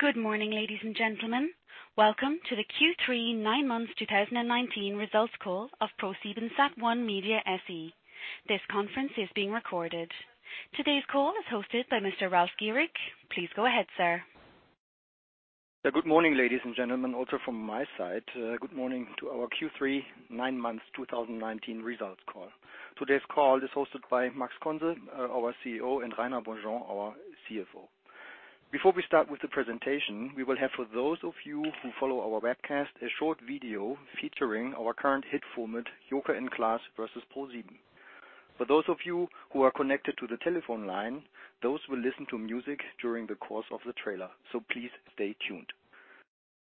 Good morning, ladies and gentlemen. Welcome to the Q3 nine months 2019 results call of ProSiebenSat.1 Media SE. This conference is being recorded. Today's call is hosted by Mr. Ralf Gierig. Please go ahead, sir. Good morning, ladies and gentlemen. Also from my side, good morning to our Q3 nine months 2019 results call. Today's call is hosted by Max Conze, our CEO, and Rainer Beaujean, our CFO. Before we start with the presentation, we will have for those of you who follow our webcast, a short video featuring our current hit format, "Joko & Klaas gegen ProSieben." For those of you who are connected to the telephone line, those will listen to music during the course of the trailer. Please stay tuned.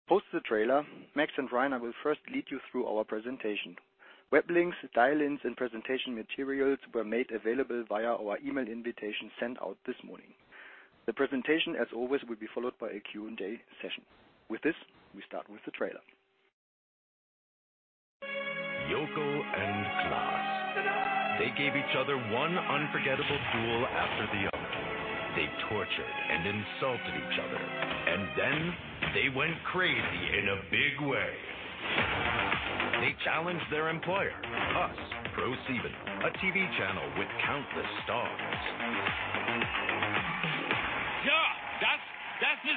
Post the trailer, Max and Rainer will first lead you through our presentation. Web links, dial-ins, and presentation materials were made available via our email invitation sent out this morning. The presentation, as always, will be followed by a Q&A session. With this, we start with the trailer. Joko & Klaas, they gave each other one unforgettable duel after the other. They tortured and insulted each other, and then they went crazy in a big way. They challenged their employer, us, ProSieben, a TV channel with countless stars. The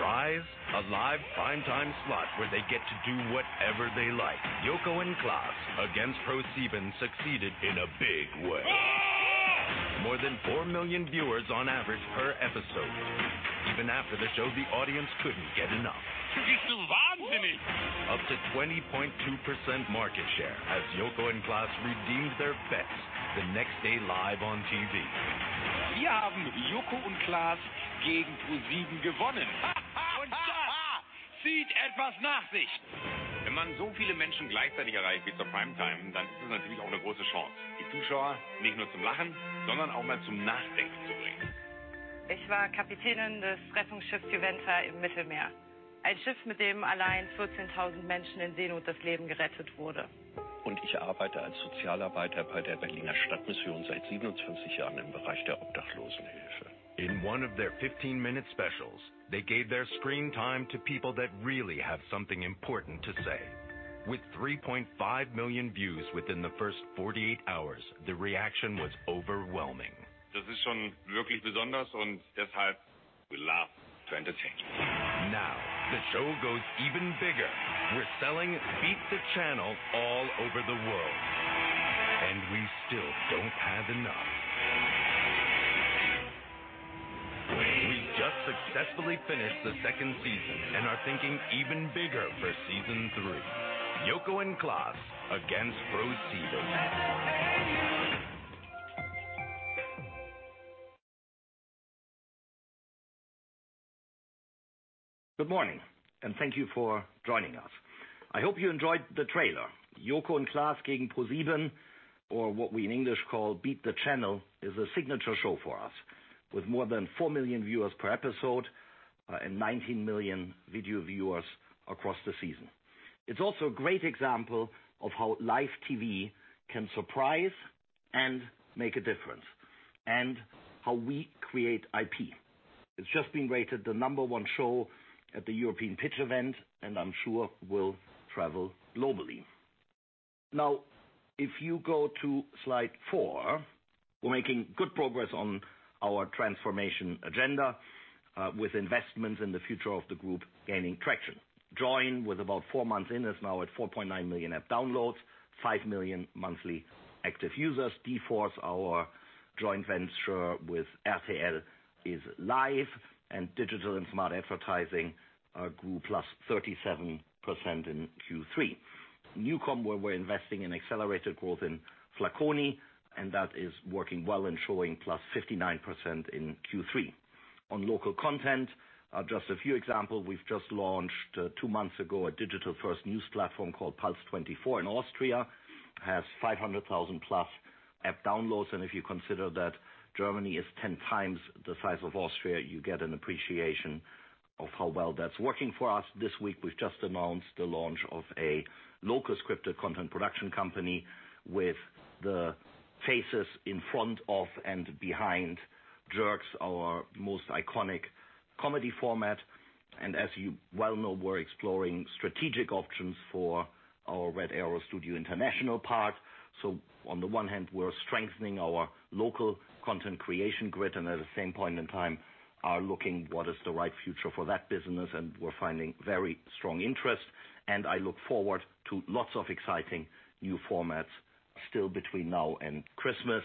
prize? A live primetime slot where they get to do whatever they like. Joko and Klaas against ProSieben succeeded in a big way. More than 4 million viewers on average per episode. Even after the show, the audience couldn't get enough. Up to 20.2% market share as Joko and Klaas redeemed their bets the next day live on TV. Good morning. Thank you for joining us. I hope you enjoyed the trailer. "Joko & Klaas gegen ProSieben," or what we in English call "Beat the Channel," is a signature show for us. With more than four million viewers per episode, and 19 million video viewers across the season. It is also a great example of how live TV can surprise and make a difference, and how we create IP. It has just been rated the number one show at the European Pitch event, and I am sure will travel globally. If you go to slide four, we are making good progress on our transformation agenda, with investments in the future of the group gaining traction. Joyn, with about four months in, is now at 4.9 million app downloads, five million monthly active users. d-force, our joint venture with RTL is live, and digital and smart advertising grew plus 37% in Q3. NuCom, where we're investing in accelerated growth in Flaconi, and that is working well and showing +59% in Q3. On local content, just a few examples. We've just launched, two months ago, a digital-first news platform called PULS 24 in Austria. Has 500,000+ app downloads, and if you consider that Germany is 10 times the size of Austria, you get an appreciation of how well that's working for us. This week, we've just announced the launch of a local scripted content production company with the faces in front of and behind jerks., our most iconic comedy format. As you well know, we're exploring strategic options for our Red Arrow Studios International part. On the one hand, we're strengthening our local content creation grid and at the same point in time are looking what is the right future for that business, and we're finding very strong interest, and I look forward to lots of exciting new formats still between now and Christmas.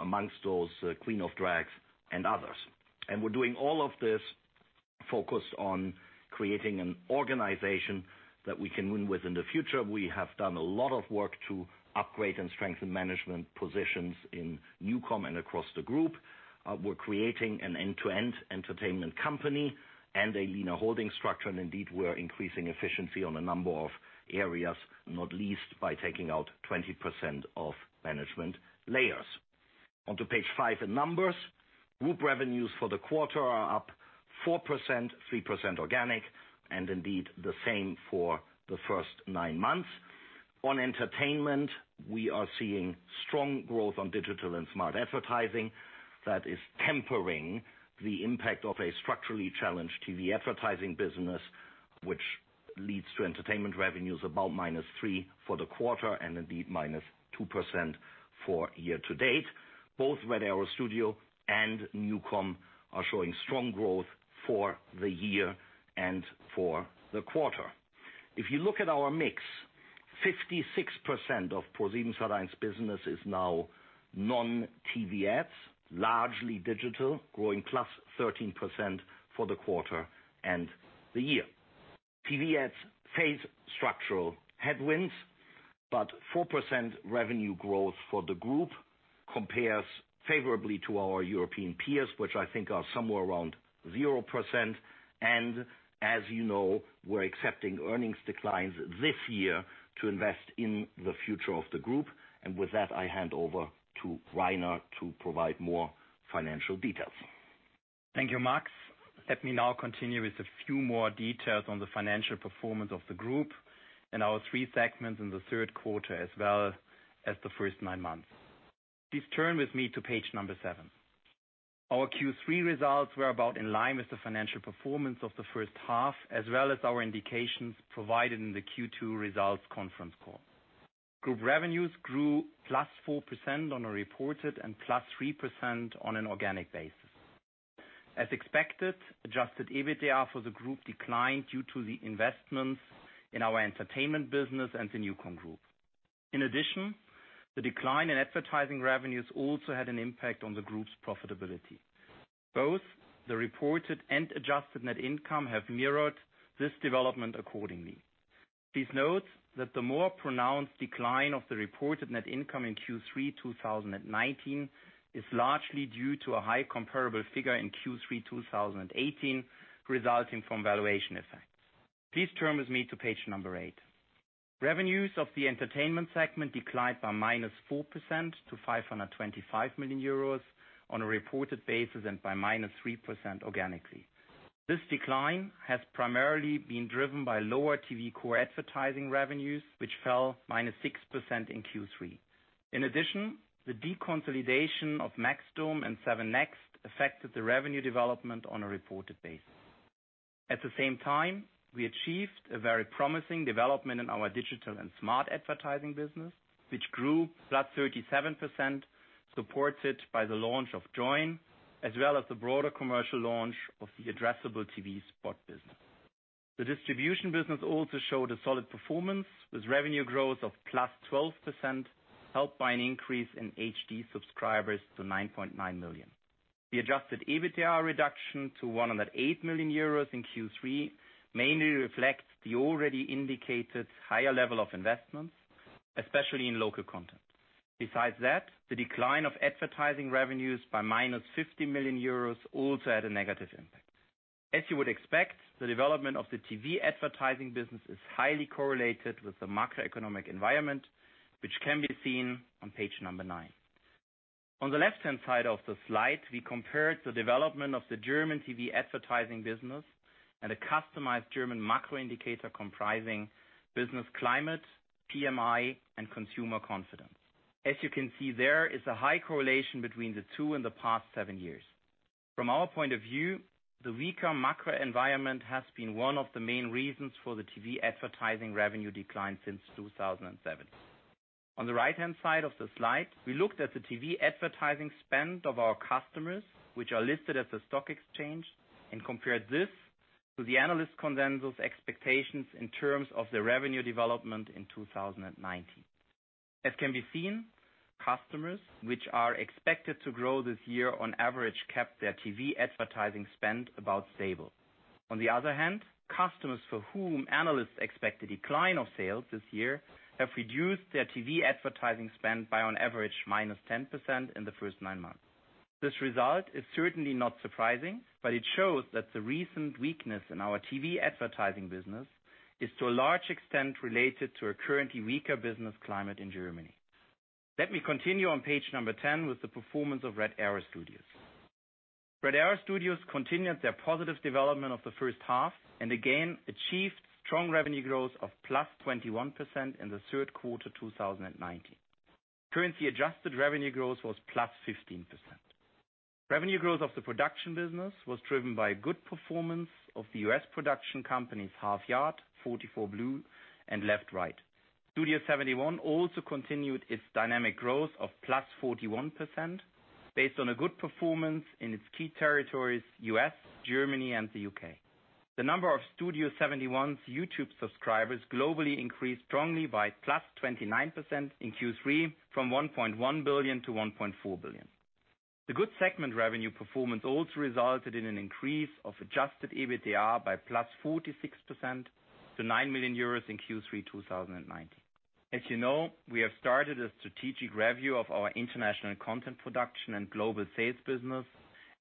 Amongst those, "Queen of Drags" and others. We're doing all of this focused on creating an organization that we can win with in the future. We have done a lot of work to upgrade and strengthen management positions in NuCom and across the group. We're creating an end-to-end entertainment company and a leaner holding structure, and indeed, we're increasing efficiency on a number of areas, not least, by taking out 20% of management layers. Onto page five, the numbers. Group revenues for the quarter are up 4%, 3% organic, indeed the same for the first nine months. On entertainment, we are seeing strong growth on digital and smart advertising that is tempering the impact of a structurally challenged TV advertising business, which leads to entertainment revenues about -3% for the quarter and indeed -2% for year to date. Both Red Arrow Studios and NuCom are showing strong growth for the year and for the quarter. If you look at our mix, 56% of ProSiebenSat.1's business is now non-TV ads, largely digital, growing +13% for the quarter and the year. TV ads face structural headwinds, but 4% revenue growth for the group compares favorably to our European peers, which I think are somewhere around 0%. As you know, we're accepting earnings declines this year to invest in the future of the group. With that, I hand over to Rainer to provide more financial details. Thank you, Max. Let me now continue with a few more details on the financial performance of the group and our three segments in the third quarter as well as the first nine months. Please turn with me to page number seven. Our Q3 results were about in line with the financial performance of the first half, as well as our indications provided in the Q2 results conference call. Group revenues grew +4% on a reported and +3% on an organic basis. As expected, adjusted EBITDA for the group declined due to the investments in our entertainment business and the NuCom Group. In addition, the decline in advertising revenues also had an impact on the group's profitability. Both the reported and adjusted net income have mirrored this development accordingly. Please note that the more pronounced decline of the reported net income in Q3 2019 is largely due to a high comparable figure in Q3 2018, resulting from valuation effects. Please turn with me to page number eight. Revenues of the entertainment segment declined by -4% to 525 million euros on a reported basis and by -3% organically. This decline has primarily been driven by lower TV core advertising revenues, which fell -6% in Q3. In addition, the deconsolidation of maxdome and 7NXT affected the revenue development on a reported basis. At the same time, we achieved a very promising development in our digital and smart advertising business, which grew +37%, supported by the launch of Joyn, as well as the broader commercial launch of the addressable TV spot business. The distribution business also showed a solid performance, with revenue growth of +12%, helped by an increase in HD subscribers to 9.9 million. The adjusted EBITDA reduction to 108 million euros in Q3 mainly reflects the already indicated higher level of investments, especially in local content. Besides that, the decline of advertising revenues by -50 million euros also had a negative impact. As you would expect, the development of the TV advertising business is highly correlated with the macroeconomic environment, which can be seen on page number nine. On the left-hand side of the slide, we compared the development of the German TV advertising business and a customized German macro indicator comprising business climate, PMI, and consumer confidence. As you can see, there is a high correlation between the two in the past seven years. From our point of view, the weaker macro environment has been one of the main reasons for the TV advertising revenue decline since 2007. On the right-hand side of the slide, we looked at the TV advertising spend of our customers, which are listed at the stock exchange and compared this to the analyst consensus expectations in terms of the revenue development in 2019. As can be seen, customers, which are expected to grow this year on average, kept their TV advertising spend about stable. On the other hand, customers for whom analysts expect a decline of sales this year have reduced their TV advertising spend by on average -10% in the first 9 months. This result is certainly not surprising, but it shows that the recent weakness in our TV advertising business is to a large extent related to a currently weaker business climate in Germany. Let me continue on page number 10 with the performance of Red Arrow Studios. Red Arrow Studios continued their positive development of the first half and again achieved strong revenue growth of plus 21% in the third quarter 2019. Currency-adjusted revenue growth was plus 15%. Revenue growth of the production business was driven by good performance of the U.S. production companies Half Yard, 44 Blue and Left/Right. Studio71 also continued its dynamic growth of plus 41%, based on a good performance in its key territories, U.S., Germany, and the U.K. The number of Studio71's YouTube subscribers globally increased strongly by plus 29% in Q3 from 1.1 billion-1.4 billion. The good segment revenue performance also resulted in an increase of adjusted EBITDA by plus 46% to nine million euros in Q3 2019. As you know, we have started a strategic review of our international content production and global sales business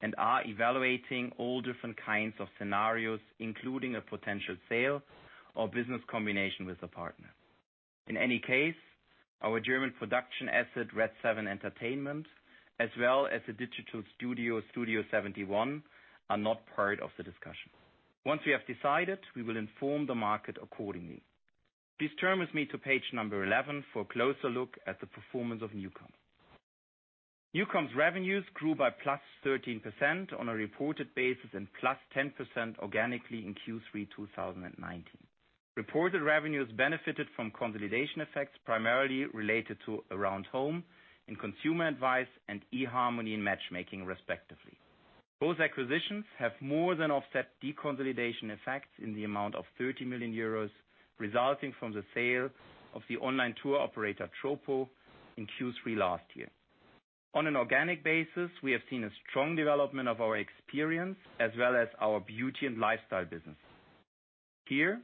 and are evaluating all different kinds of scenarios, including a potential sale or business combination with a partner. In any case, our German production asset, Redseven Entertainment, as well as the digital studio, Studio71, are not part of the discussion. Once we have decided, we will inform the market accordingly. Please turn with me to page number 11 for a closer look at the performance of NuCom. NuCom's revenues grew by plus 13% on a reported basis and plus 10% organically in Q3 2019. Reported revenues benefited from consolidation effects primarily related to Aroundhome and Consumer Advice and eharmony and Matchmaking respectively. Those acquisitions have more than offset deconsolidation effects in the amount of 30 million euros resulting from the sale of the online tour operator, Tropo, in Q3 last year. On an organic basis, we have seen a strong development of our experience as well as our beauty and lifestyle business. Here,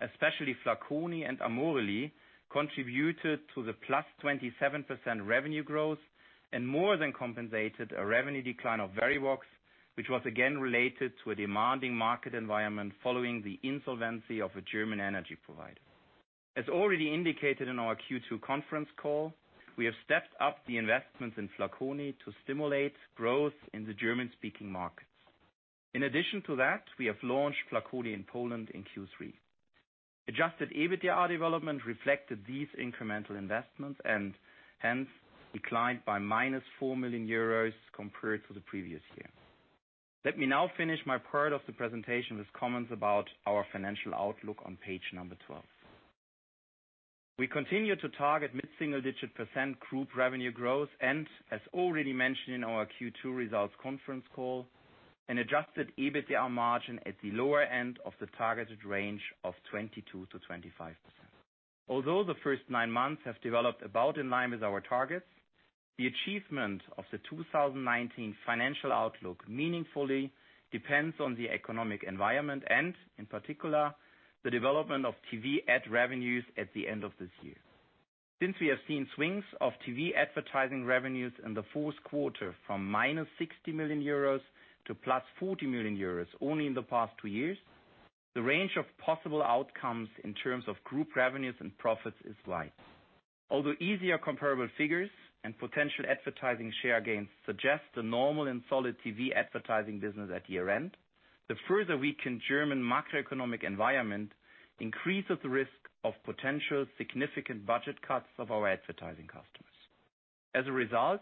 especially Flaconi and Amorelie contributed to the +27% revenue growth and more than compensated a revenue decline of Verivox, which was again related to a demanding market environment following the insolvency of a German energy provider. As already indicated in our Q2 conference call, we have stepped up the investments in Flaconi to stimulate growth in the German-speaking markets. In addition to that, we have launched Flaconi in Poland in Q3. Adjusted EBITDA development reflected these incremental investments and hence declined by -4 million euros compared to the previous year. Let me now finish my part of the presentation with comments about our financial outlook on page number 12. We continue to target mid-single-digit % group revenue growth and, as already mentioned in our Q2 results conference call, an adjusted EBITDA margin at the lower end of the targeted range of 22%-25%. The first nine months have developed about in line with our targets, the achievement of the 2019 financial outlook meaningfully depends on the economic environment and, in particular, the development of TV ad revenues at the end of this year. We have seen swings of TV advertising revenues in the fourth quarter from minus 60 million euros to plus 40 million euros only in the past two years, the range of possible outcomes in terms of group revenues and profits is wide. Although easier comparable figures and potential advertising share gains suggest a normal and solid TV advertising business at year-end, the further weakened German macroeconomic environment increases the risk of potential significant budget cuts of our advertising customers. As a result,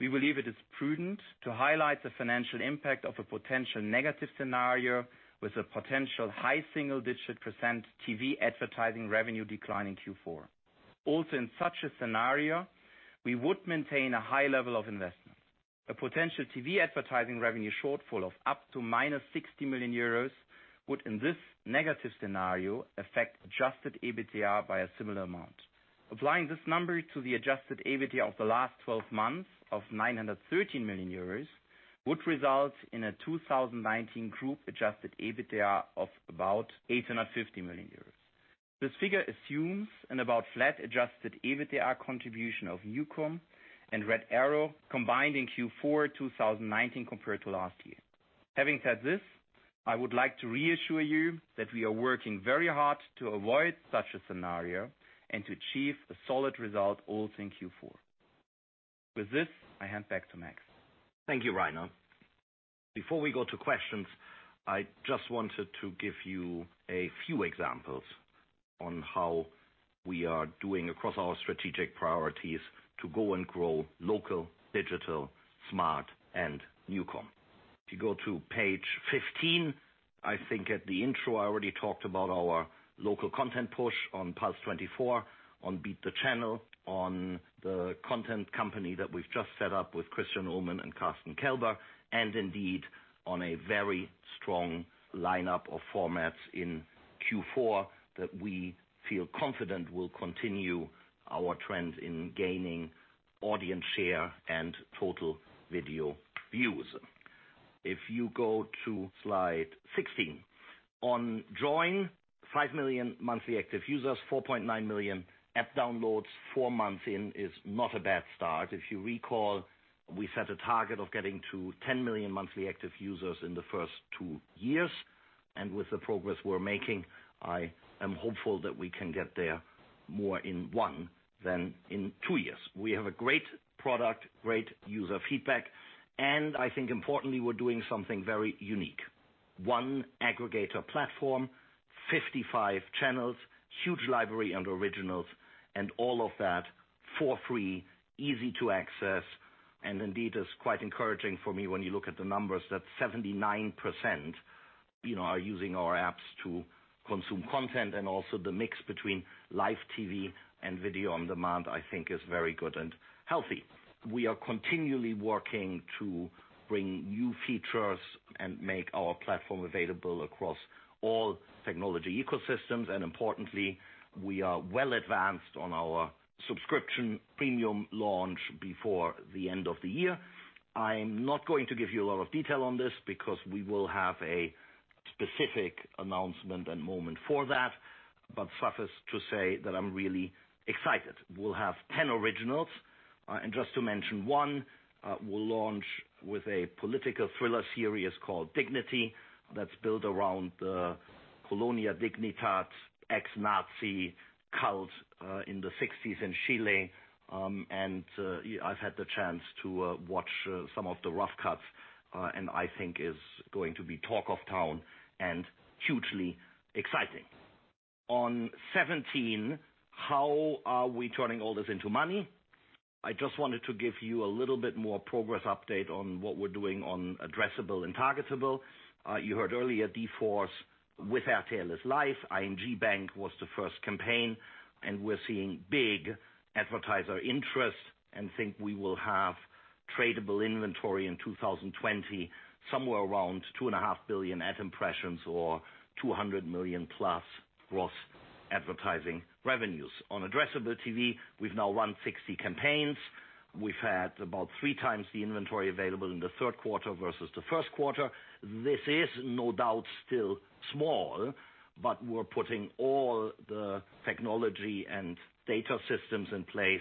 we believe it is prudent to highlight the financial impact of a potential negative scenario with a potential high single-digit % TV advertising revenue decline in Q4. Also, in such a scenario, we would maintain a high level of investment. A potential TV advertising revenue shortfall of up to minus 60 million euros would in this negative scenario affect adjusted EBITDA by a similar amount. Applying this number to the adjusted EBITDA of the last 12 months of 913 million euros would result in a 2019 group-adjusted EBITDA of about 850 million euros. This figure assumes an about flat-adjusted EBITDA contribution of NuCom and Red Arrow combined in Q4 2019 compared to last year. Having said this, I would like to reassure you that we are working very hard to avoid such a scenario and to achieve a solid result also in Q4. With this, I hand back to Max. Thank you, Rainer. Before we go to questions, I just wanted to give you a few examples on how we are doing across our strategic priorities to go and grow local, digital, smart and NuCom. If you go to page 15, I think at the intro, I already talked about our local content push on PULS 24, on Beat the Channel, on Pyjama Pictures that we've just set up with Christian Ulmen and Carsten Kelber, and indeed, on a very strong lineup of formats in Q4 that we feel confident will continue our trend in gaining audience share and total video views. If you go to slide 16. On Joyn, five million monthly active users, 4.9 million app downloads four months in is not a bad start. If you recall, we set a target of getting to 10 million monthly active users in the first two years. With the progress we're making, I am hopeful that we can get there more in one than in two years. We have a great product, great user feedback, and I think importantly, we're doing something very unique. One aggregator platform, 55 channels, huge library and originals, and all of that for free, easy to access, and indeed, is quite encouraging for me when you look at the numbers that 79% are using our apps to consume content, and also the mix between live TV and video on-demand, I think is very good and healthy. We are continually working to bring new features and make our platform available across all technology ecosystems. Importantly, we are well advanced on our subscription premium launch before the end of the year. I'm not going to give you a lot of detail on this because we will have a specific announcement and moment for that. Suffice to say that I'm really excited. We'll have 10 originals. Just to mention one, we'll launch with a political thriller series called Dignity that's built around the Colonia Dignidad ex-Nazi cult in the 1960s in Chile. I've had the chance to watch some of the rough cuts, and I think is going to be talk of town and hugely exciting. On 17, how are we turning all this into money? I just wanted to give you a little bit more progress update on what we're doing on addressable and targetable. You heard earlier d-force with our [RTL is live], ING Bank was the first campaign, and we're seeing big advertiser interest and think we will have tradable inventory in 2020 somewhere around two and a half billion ad impressions or 200 million-plus gross advertising revenues. On addressable TV, we've now run 60 campaigns. We've had about three times the inventory available in the third quarter versus the first quarter. This is no doubt still small, but we're putting all the technology and data systems in place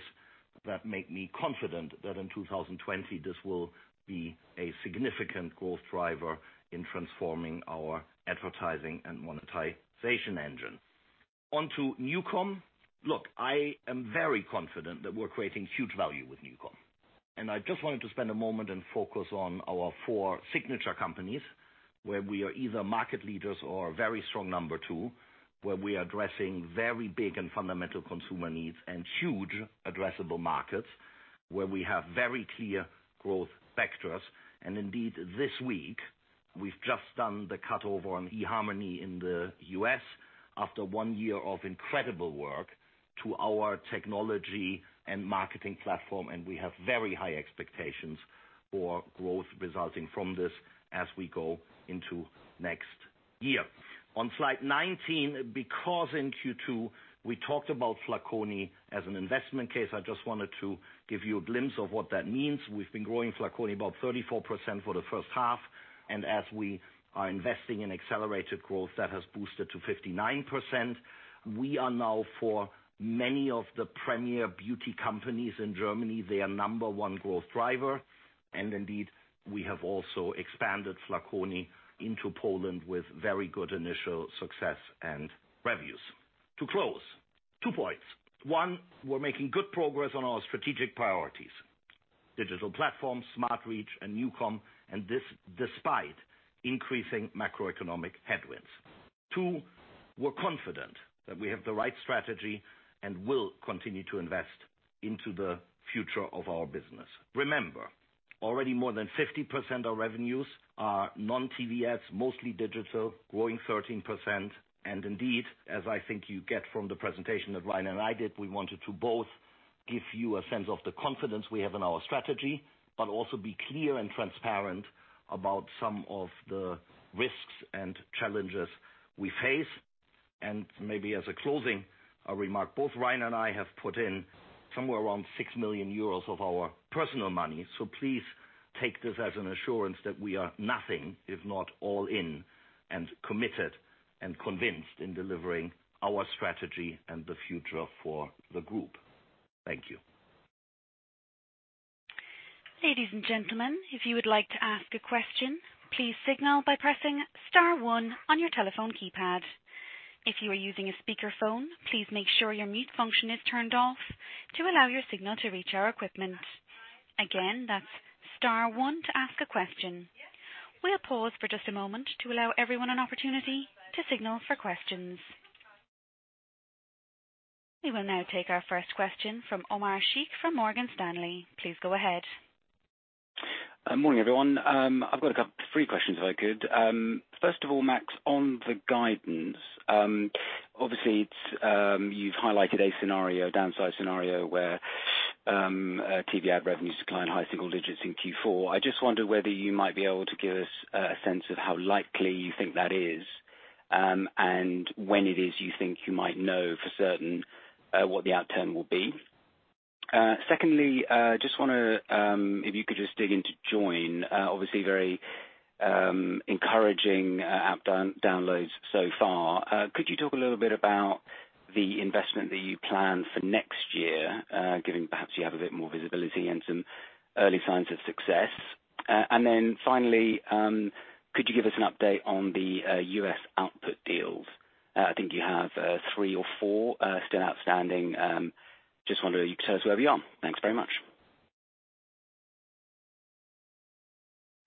that make me confident that in 2020, this will be a significant growth driver in transforming our advertising and monetization engine. On to NuCom. Look, I am very confident that we're creating huge value with NuCom. I just wanted to spend a moment and focus on our four signature companies, where we are either market leaders or a very strong number two, where we are addressing very big and fundamental consumer needs and huge addressable markets, where we have very clear growth vectors. Indeed, this week, we've just done the cut-over on eharmony in the U.S. after one year of incredible work to our technology and marketing platform, and we have very high expectations for growth resulting from this as we go into next year. On slide 19, because in Q2, we talked about flaconi as an investment case, I just wanted to give you a glimpse of what that means. We've been growing flaconi about 34% for the first half. As we are investing in accelerated growth, that has boosted to 59%. We are now for many of the premier beauty companies in Germany, their number one growth driver. Indeed, we have also expanded Flaconi into Poland with very good initial success and revenues. To close, 2 points. 1, we're making good progress on our strategic priorities, digital platforms, smart reach, and NuCom, and despite increasing macroeconomic headwinds. 2, we're confident that we have the right strategy and will continue to invest into the future of our business. Remember, already more than 50% of revenues are non-TV ads, mostly digital, growing 13%. Indeed, as I think you get from the presentation that Rainer and I did, we wanted to both give you a sense of the confidence we have in our strategy, but also be clear and transparent about some of the risks and challenges we face. Maybe as a closing remark, both Rainer and I have put in somewhere around 6 million euros of our personal money. Please take this as an assurance that we are nothing if not all in and committed and convinced in delivering our strategy and the future for the group. Thank you. Ladies and gentlemen, if you would like to ask a question, please signal by pressing star one on your telephone keypad. If you are using a speakerphone, please make sure your mute function is turned off to allow your signal to reach our equipment. Again, that's star one to ask a question. We'll pause for just a moment to allow everyone an opportunity to signal for questions. We will now take our first question from Omar Sheikh from Morgan Stanley. Please go ahead. Morning, everyone. I've got three questions if I could. First of all, Max, on the guidance. Obviously, you've highlighted a scenario, downside scenario, where TV ad revenues decline high single digits in Q4. I just wonder whether you might be able to give us a sense of how likely you think that is and when it is you think you might know for certain what the outcome will be. Secondly, just wonder if you could just dig into Joyn. Obviously, very encouraging app downloads so far. Could you talk a little bit about the investment that you plan for next year, given perhaps you have a bit more visibility and some early signs of success? Finally, could you give us an update on the U.S. output deals? I think you have three or four still outstanding. Just wonder if you could tell us where we are. Thanks very much.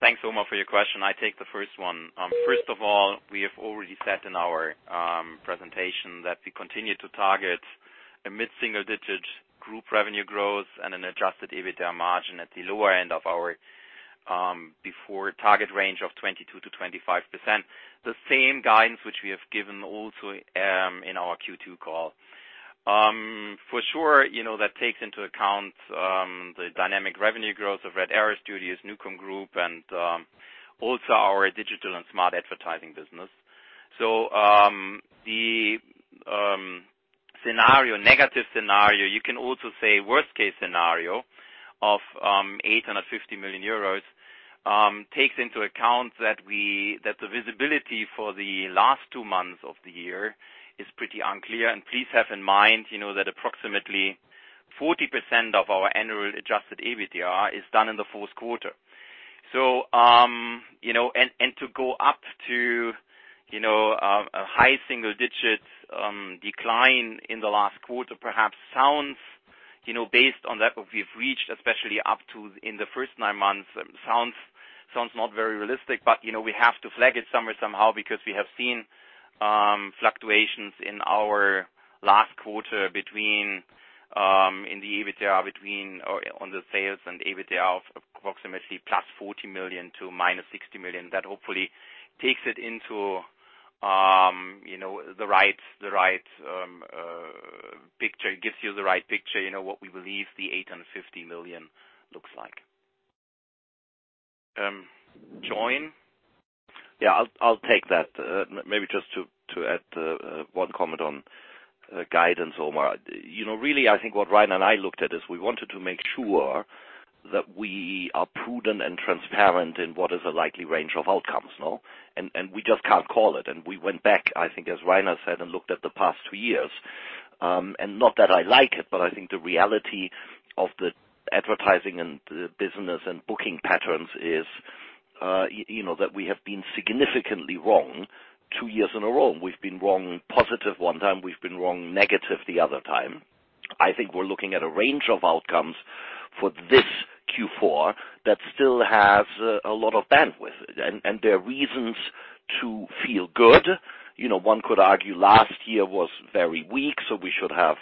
Thanks, Omar, for your question. I take the first one. First of all, we have already said in our presentation that we continue to target a mid-single digit group revenue growth and an adjusted EBITDA margin at the lower end of our before target range of 22%-25%. The same guidance which we have given also in our Q2 call. For sure, that takes into account the dynamic revenue growth of Red Arrow Studios, NuCom Group, and also our digital and smart advertising business. The negative scenario, you can also say worst-case scenario of 850 million euros Takes into account that the visibility for the last two months of the year is pretty unclear. Please have in mind that approximately 40% of our annual adjusted EBITDA is done in the fourth quarter. To go up to a high single-digit decline in the last quarter perhaps sounds, based on that, what we've reached, especially up to in the first nine months, sounds not very realistic. We have to flag it somewhere somehow because we have seen fluctuations in our last quarter in the EBITDA on the sales and EBITDA of approximately plus 40 million to minus 60 million. That hopefully takes it into the right picture, gives you the right picture, what we believe the 850 million looks like. Joyn? Yeah, I'll take that. Maybe just to add one comment on guidance, Omar. Really, I think what Rainer and I looked at is we wanted to make sure that we are prudent and transparent in what is a likely range of outcomes now, and we just can't call it. We went back, I think, as Rainer said, and looked at the past two years. Not that I like it, but I think the reality of the advertising and the business and booking patterns is that we have been significantly wrong two years in a row. We've been wrong positive one time. We've been wrong negative the other time. I think we're looking at a range of outcomes for this Q4 that still has a lot of bandwidth. There are reasons to feel good. One could argue last year was very weak. We should have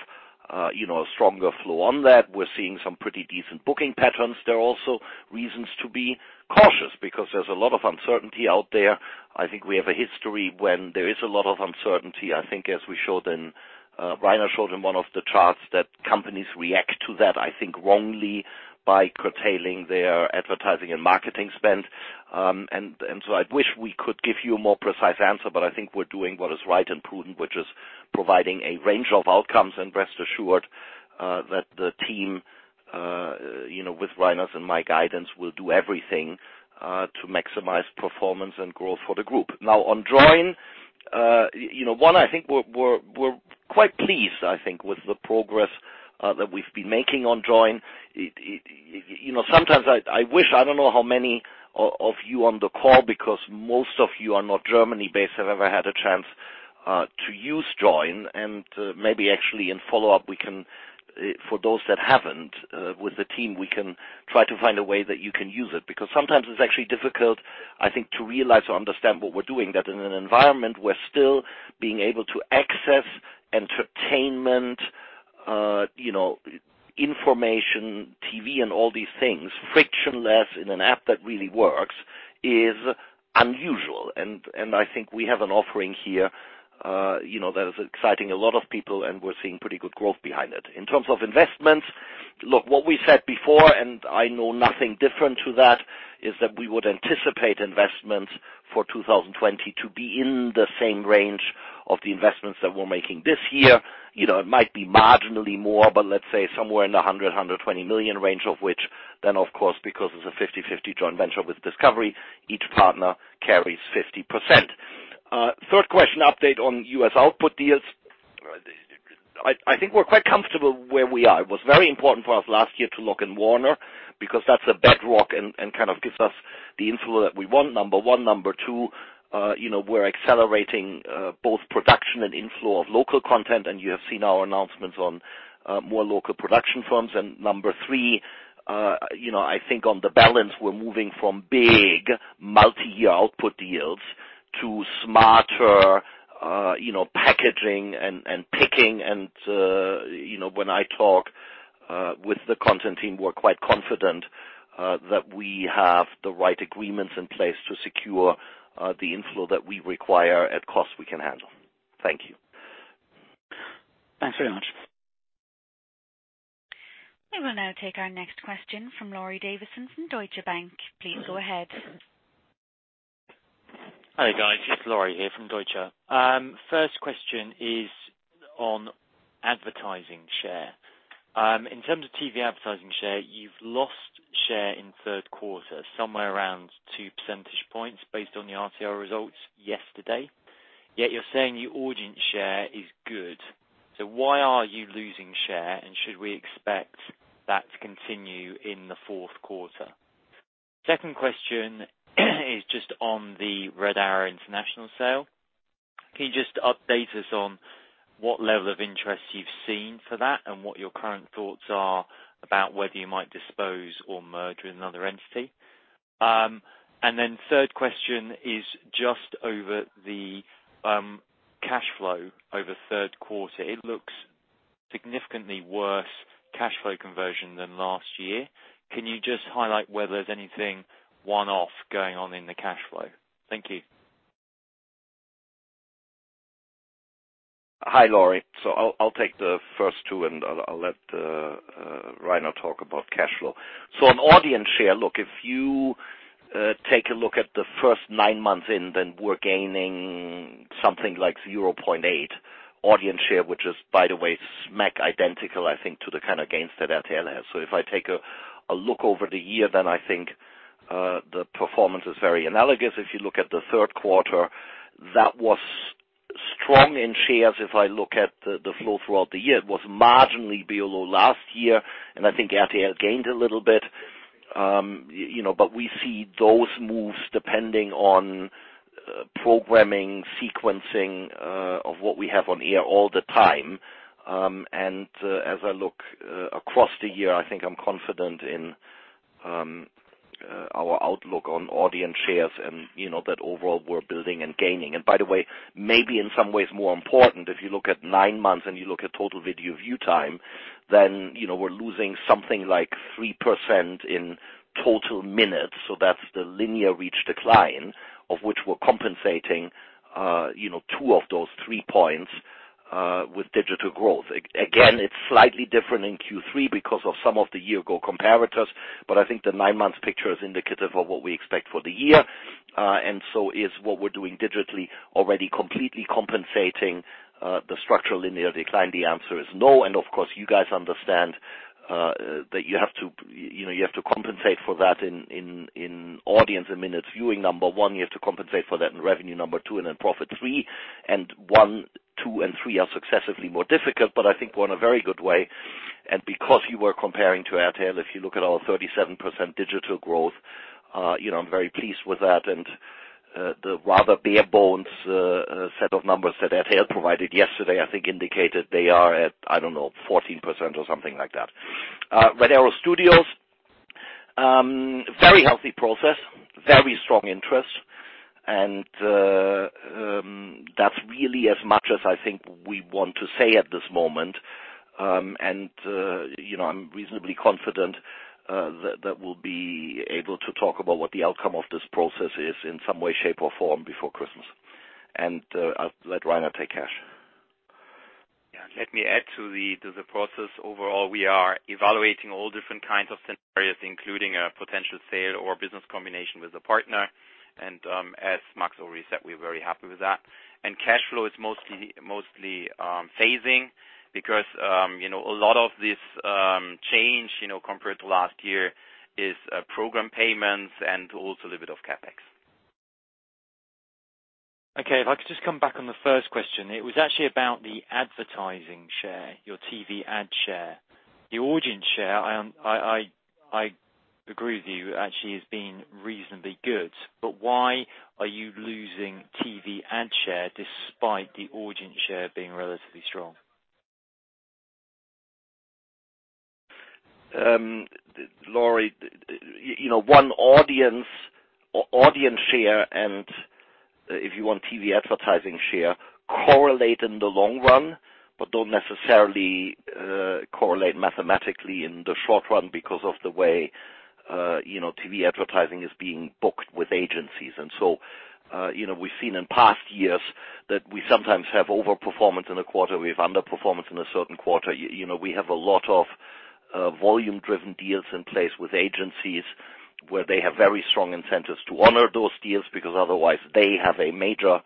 a stronger flow on that. We're seeing some pretty decent booking patterns. There are also reasons to be cautious because there's a lot of uncertainty out there. I think we have a history when there is a lot of uncertainty. I think as Rainer showed in one of the charts that companies react to that, I think wrongly, by curtailing their advertising and marketing spend. I wish we could give you a more precise answer, but I think we're doing what is right and prudent, which is providing a range of outcomes. Rest assured that the team, with Rainer's and my guidance, will do everything to maximize performance and growth for the group. Now on Joyn, I think we're quite pleased, I think, with the progress that we've been making on Joyn. Sometimes I wish, I don't know how many of you on the call, because most of you are not Germany-based, have ever had a chance to use Joyn. Maybe actually in follow-up, for those that haven't, with the team, we can try to find a way that you can use it, because sometimes it's actually difficult, I think, to realize or understand what we're doing. That in an environment, we're still being able to access entertainment, information, TV, and all these things frictionless in an app that really works is unusual. I think we have an offering here that is exciting a lot of people, and we're seeing pretty good growth behind it. In terms of investments, look, what we said before, and I know nothing different to that, is that we would anticipate investments for 2020 to be in the same range of the investments that we're making this year. It might be marginally more, but let's say somewhere in the 100 million-120 million range of which then, of course, because it's a 50/50 joint venture with Discovery, each partner carries 50%. Third question, update on U.S. output deals. I think we're quite comfortable where we are. It was very important for us last year to lock in Warner because that's a bedrock and kind of gives us the inflow that we want, number one. Number two, we're accelerating both production and inflow of local content, and you have seen our announcements on more local production firms. Number 3, I think on the balance, we're moving from big multi-year output deals to smarter packaging and picking. When I talk with the content team, we're quite confident that we have the right agreements in place to secure the inflow that we require at cost we can handle. Thank you. Thanks very much. We will now take our next question from Laurie Davison from Deutsche Bank. Please go ahead. Hi, guys. It's Laurie here from Deutsche. First question is on advertising share. In terms of TV advertising share, you've lost share in third quarter, somewhere around 2 percentage points based on the RTL results yesterday. You're saying your audience share is good. Why are you losing share, and should we expect that to continue in the fourth quarter? Second question is just on the Red Arrow International sale. Can you just update us on what level of interest you've seen for that and what your current thoughts are about whether you might dispose or merge with another entity? Third question is just over the cash flow over third quarter. It looks significantly worse cash flow conversion than last year. Can you just highlight whether there's anything one-off going on in the cash flow? Thank you. Hi, Laurie. I'll take the first two, and I'll let Rainer talk about cash flow. On audience share, look, if you take a look at the first nine months in, then we're gaining something like 0.8 audience share, which is, by the way, smack identical, I think, to the kind of gains that RTL has. If I take a look over the year, then I think the performance is very analogous. If you look at the third quarter, that was strong in shares, if I look at the flow throughout the year. It was marginally below last year, and I think RTL gained a little bit. We see those moves depending on programming, sequencing of what we have on air all the time. As I look across the year, I think I'm confident in our outlook on audience shares and that overall we're building and gaining. By the way, maybe in some ways more important, if you look at nine months and you look at total video view time, then we're losing something like 3% in total minutes. That's the linear reach decline of which we're compensating two of those three points, with digital growth. Again, it's slightly different in Q3 because of some of the year ago comparators, but I think the nine-month picture is indicative of what we expect for the year. Is what we're doing digitally already completely compensating the structural linear decline? The answer is no, and of course you guys understand that you have to compensate for that in audience and minutes viewing, number one, you have to compensate for that in revenue, number two, and then profit, three. One, two, and three are successively more difficult, but I think we're in a very good way. Because you were comparing to RTL, if you look at our 37% digital growth, I am very pleased with that. The rather bare bones set of numbers that RTL provided yesterday, I think indicated they are at, I don't know, 14% or something like that. Red Arrow Studios. Very healthy process, very strong interest. That is really as much as I think we want to say at this moment. I am reasonably confident that we will be able to talk about what the outcome of this process is in some way, shape, or form before Christmas. I will let Rainer take cash. Yeah, let me add to the process. Overall, we are evaluating all different kinds of scenarios, including a potential sale or business combination with a partner. As Max already said, we're very happy with that. Cash flow is mostly phasing because a lot of this change compared to last year is program payments and also a little bit of CapEx. Okay. If I could just come back on the first question, it was actually about the advertising share, your TV ad share. The audience share, I agree with you, actually has been reasonably good. Why are you losing TV ad share despite the audience share being relatively strong? Laurie, audience share and, if you want, TV advertising share correlate in the long run, but don't necessarily correlate mathematically in the short run because of the way TV advertising is being booked with agencies. We've seen in past years that we sometimes have over-performance in a quarter, we have under-performance in a certain quarter. We have a lot of volume-driven deals in place with agencies, where they have very strong incentives to honor those deals, because otherwise they have a major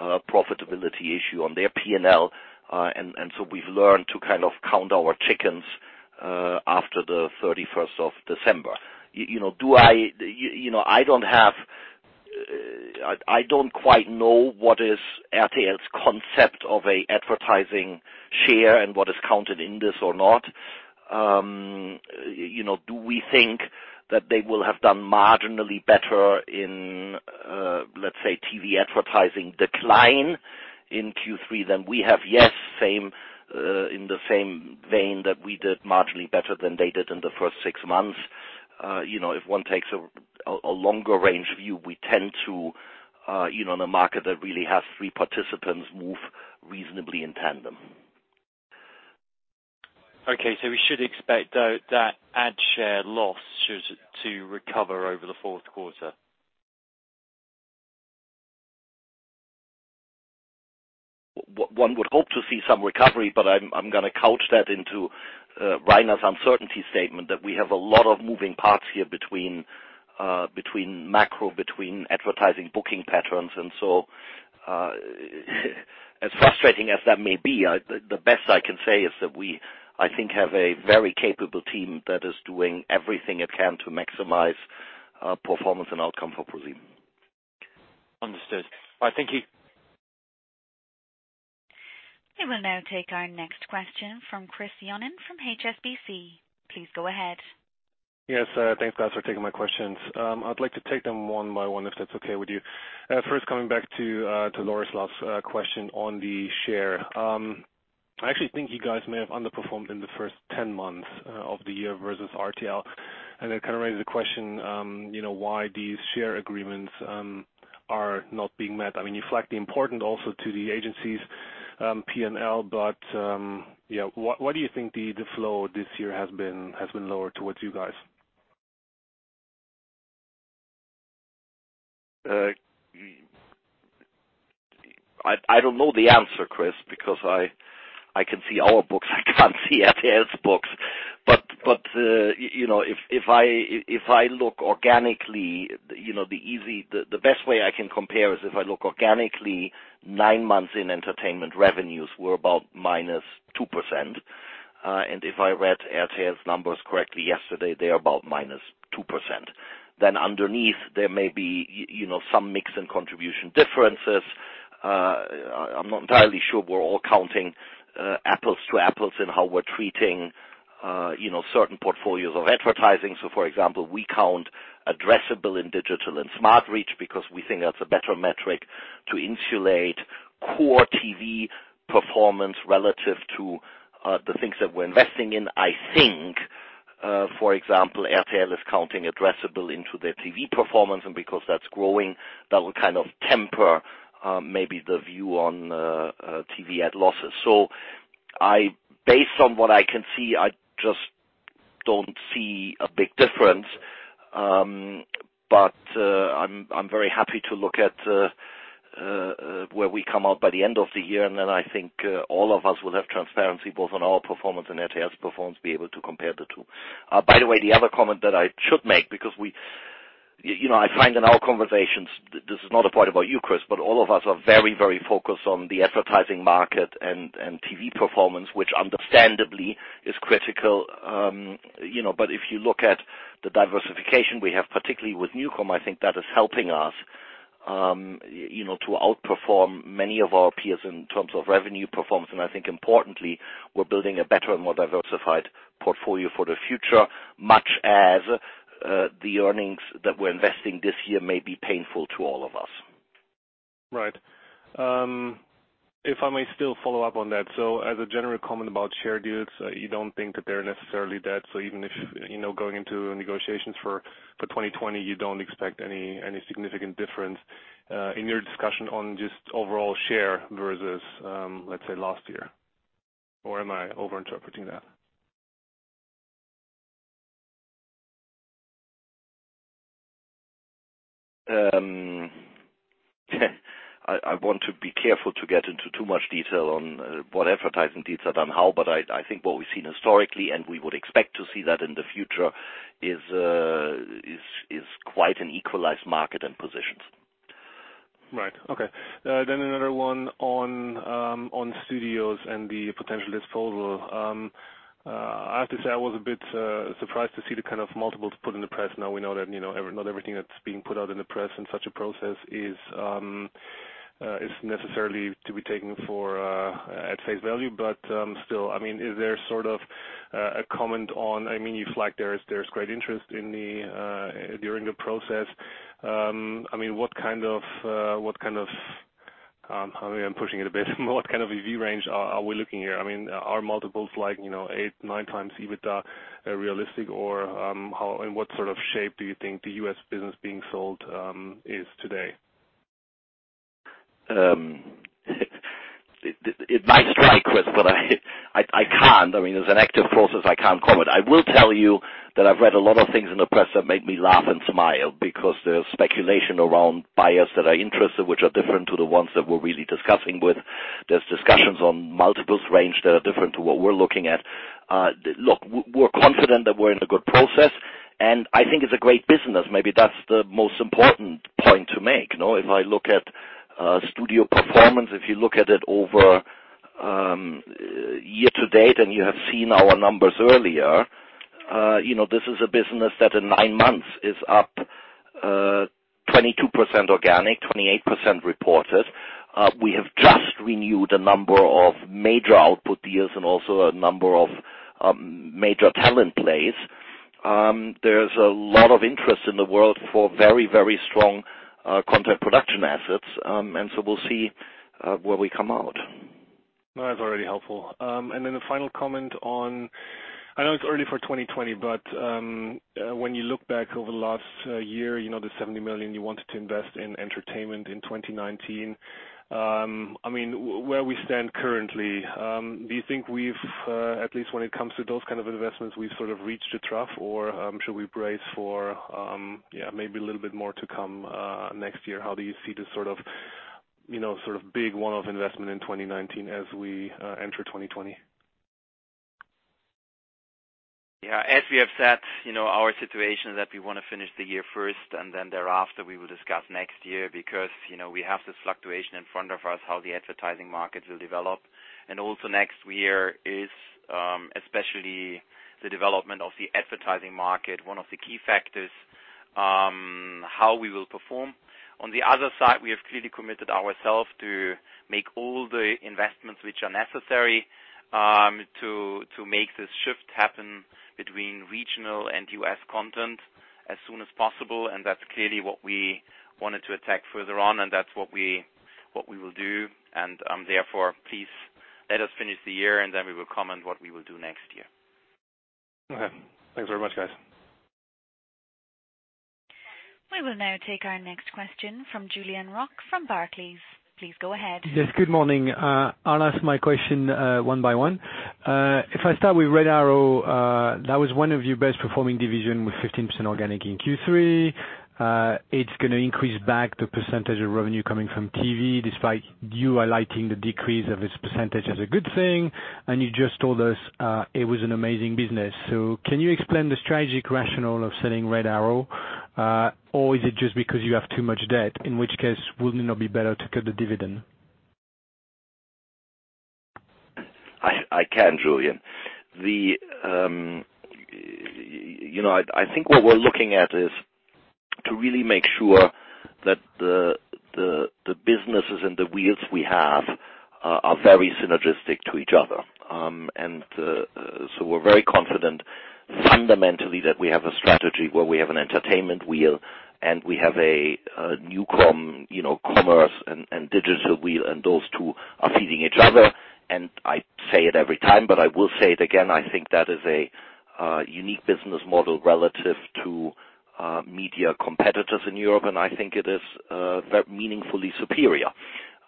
profitability issue on their P&L. We've learned to count our chickens after the 31st of December. I don't quite know what is RTL's concept of a advertising share and what is counted in this or not. Do we think that they will have done marginally better in, let's say, TV advertising decline in Q3 than we have? Yes. In the same vein that we did marginally better than they did in the first six months. If one takes a longer range view, we tend to, in a market that really has three participants, move reasonably in tandem. Okay. We should expect, though, that ad share loss to recover over the fourth quarter? One would hope to see some recovery, but I'm going to couch that into Rainer's uncertainty statement that we have a lot of moving parts here between macro, between advertising booking patterns. As frustrating as that may be, the best I can say is that we, I think, have a very capable team that is doing everything it can to maximize performance and outcome for ProSieben. Understood. All right. Thank you. We will now take our next question from Chris Johnen from HSBC. Please go ahead. Yes. Thanks, guys, for taking my questions. I'd like to take them one by one, if that's okay with you. First, coming back to Laurie's question on the share. I actually think you guys may have underperformed in the first 10 months of the year versus RTL. It raises the question, why these share agreements are not being met. You flagged the important also to the agencies' P&L, but why do you think the flow this year has been lower towards you guys? I don't know the answer, Chris, because I can see our books I can't see RTL's books. If I look organically, the best way I can compare is if I look organically, nine months in entertainment revenues were about -2%. If I read RTL's numbers correctly yesterday, they are about -2%. Underneath there may be some mix and contribution differences. I'm not entirely sure we're all counting apples to apples in how we're treating certain portfolios of advertising. For example, we count addressable in digital and smart reach because we think that's a better metric to insulate core TV performance relative to the things that we're investing in. I think, for example, RTL is counting addressable into their TV performance, and because that's growing, that will temper maybe the view on TV ad losses. Based on what I can see, I just don't see a big difference. I'm very happy to look at where we come out by the end of the year, and then I think all of us will have transparency both on our performance and RTL's performance, be able to compare the two. By the way, the other comment that I should make, because I find in our conversations, this is not a point about you, Chris, but all of us are very focused on the advertising market and TV performance, which understandably is critical. If you look at the diversification we have, particularly with NuCom, I think that is helping us to outperform many of our peers in terms of revenue performance. I think importantly, we're building a better and more diversified portfolio for the future, much as the earnings that we're investing this year may be painful to all of us. Right. If I may still follow up on that. As a general comment about share deals, you don't think that they're necessarily dead, so even if, going into negotiations for 2020, you don't expect any significant difference in your discussion on just overall share versus, let's say, last year? Or am I over-interpreting that? I want to be careful to get into too much detail on what advertising deals are done how, but I think what we've seen historically, and we would expect to see that in the future, is quite an equalized market and positions. Right. Okay. Another one on Studios and the potential disposal. I have to say, I was a bit surprised to see the kind of multiples put in the press. Now we know that not everything that's being put out in the press in such a process is necessarily to be taken at face value. Still, is there a comment on? You flagged there's great interest during the process. Maybe I'm pushing it a bit, what kind of a view range are we looking here? Are multiples like eight, nine times EBITDA realistic, or in what sort of shape do you think the U.S. business being sold is today? It might strike, Chris, but I can't. As an active process, I can't comment. I will tell you that I've read a lot of things in the press that make me laugh and smile because there's speculation around buyers that are interested, which are different to the ones that we're really discussing with. There's discussions on multiples range that are different to what we're looking at. Look, we're confident that we're in a good process, and I think it's a great business. Maybe that's the most important point to make. If I look at studio performance, if you look at it over year-to-date, and you have seen our numbers earlier, this is a business that in nine months is up 22% organic, 28% reported. We have just renewed a number of major output deals and also a number of major talent plays. There's a lot of interest in the world for very strong content production assets. We'll see where we come out. No, that's already helpful. Then a final comment on, I know it's early for 2020, but when you look back over the last year, the 70 million you wanted to invest in entertainment in 2019. Where we stand currently, do you think we've, at least when it comes to those kind of investments, we've reached a trough or should we brace for maybe a little bit more to come next year? How do you see this sort of big one-off investment in 2019 as we enter 2020? Yeah, as we have said, our situation is that we want to finish the year first, and then thereafter we will discuss next year because we have this fluctuation in front of us how the advertising market will develop. Also next year is, especially the development of the advertising market, one of the key factors how we will perform. On the other side, we have clearly committed ourselves to make all the investments which are necessary to make this shift happen between regional and U.S. content as soon as possible, and that's clearly what we wanted to attack further on, and that's what we will do. Therefore, please let us finish the year and then we will comment what we will do next year. Okay. Thanks very much, guys. We will now take our next question from Julien Roch from Barclays. Please go ahead. Yes, good morning. I'll ask my question one by one. If I start with Red Arrow, that was one of your best performing division with 15% organic in Q3. It's going to increase back the percentage of revenue coming from TV, despite you highlighting the decrease of its percentage as a good thing, and you just told us it was an amazing business. Can you explain the strategic rationale of selling Red Arrow? Is it just because you have too much debt, in which case, would it not be better to cut the dividend? I can, Julien. I think what we're looking at is to really make sure that the businesses and the wheels we have are very synergistic to each other. We're very confident fundamentally that we have a strategy where we have an entertainment wheel and we have a NuCom commerce and digital wheel, and those two are feeding each other. I say it every time, but I will say it again, I think that is a unique business model relative to media competitors in Europe, and I think it is meaningfully superior.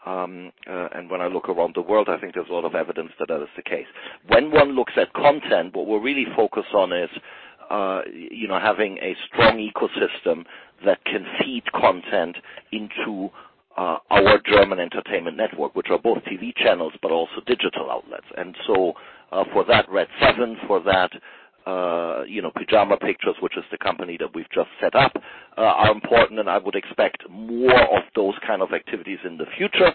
When I look around the world, I think there's a lot of evidence that is the case. When one looks at content, what we're really focused on is having a strong ecosystem that can feed content into our German entertainment network, which are both TV channels, but also digital outlets. For that Redseven, for that Pyjama Pictures, which is the company that we've just set up, are important, and I would expect more of those kind of activities in the future.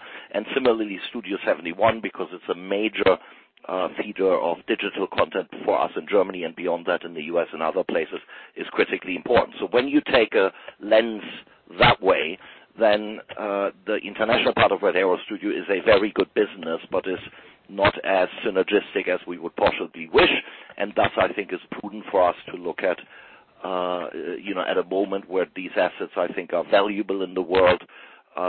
Similarly, Studio71, because it's a major feeder of digital content for us in Germany and beyond that in the U.S. and other places, is critically important. When you take a lens that way, the international part of Red Arrow Studios is a very good business, but is not as synergistic as we would possibly wish, thus, I think it's prudent for us to look at a moment where these assets, I think, are valuable in the world.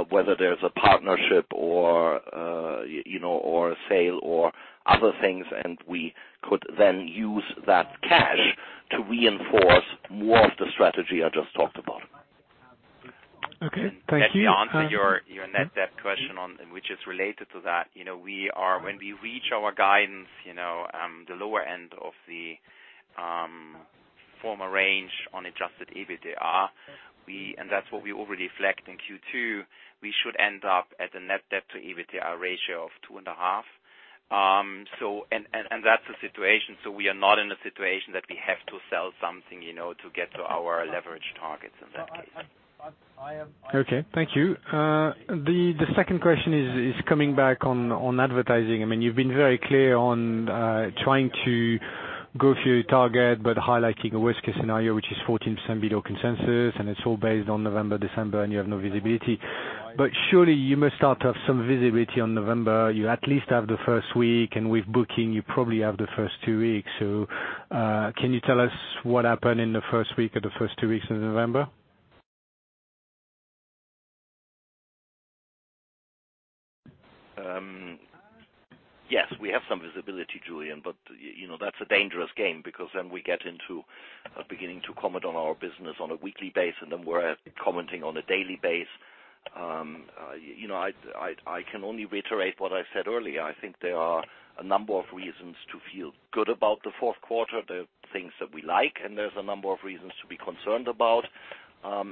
Whether there's a partnership or a sale or other things, we could then use that cash to reinforce more of the strategy I just talked about. Okay. Thank you. Let me answer your net debt question on, which is related to that. When we reach our guidance, the lower end of the former range on adjusted EBITDA, and that's what we already reflect in Q2, we should end up at a net debt to EBITDA ratio of 2.5. That's the situation. We are not in a situation that we have to sell something to get to our leverage targets in that case. Okay, thank you. The second question is coming back on advertising. You've been very clear on trying to go for your target, but highlighting a worst-case scenario, which is 14% below consensus, and it's all based on November, December, and you have no visibility. Surely you must start to have some visibility on November. You at least have the first week, and with booking, you probably have the first two weeks. Can you tell us what happened in the first week or the first two weeks of November? Yes, we have some visibility, Julien, but that's a dangerous game because then we get into beginning to comment on our business on a weekly basis, and then we're commenting on a daily basis. I can only reiterate what I said earlier. I think there are a number of reasons to feel good about the fourth quarter, the things that we like, and there's a number of reasons to be concerned about.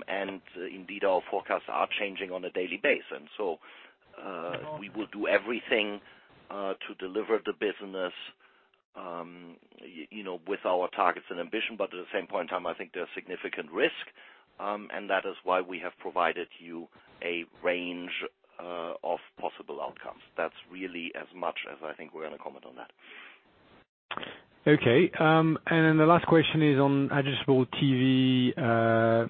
Indeed, our forecasts are changing on a daily basis. We will do everything to deliver the business with our targets and ambition. At the same point in time, I think there's significant risk, and that is why we have provided you a range of possible outcomes. That's really as much as I think we're going to comment on that. Okay. The last question is on addressable TV.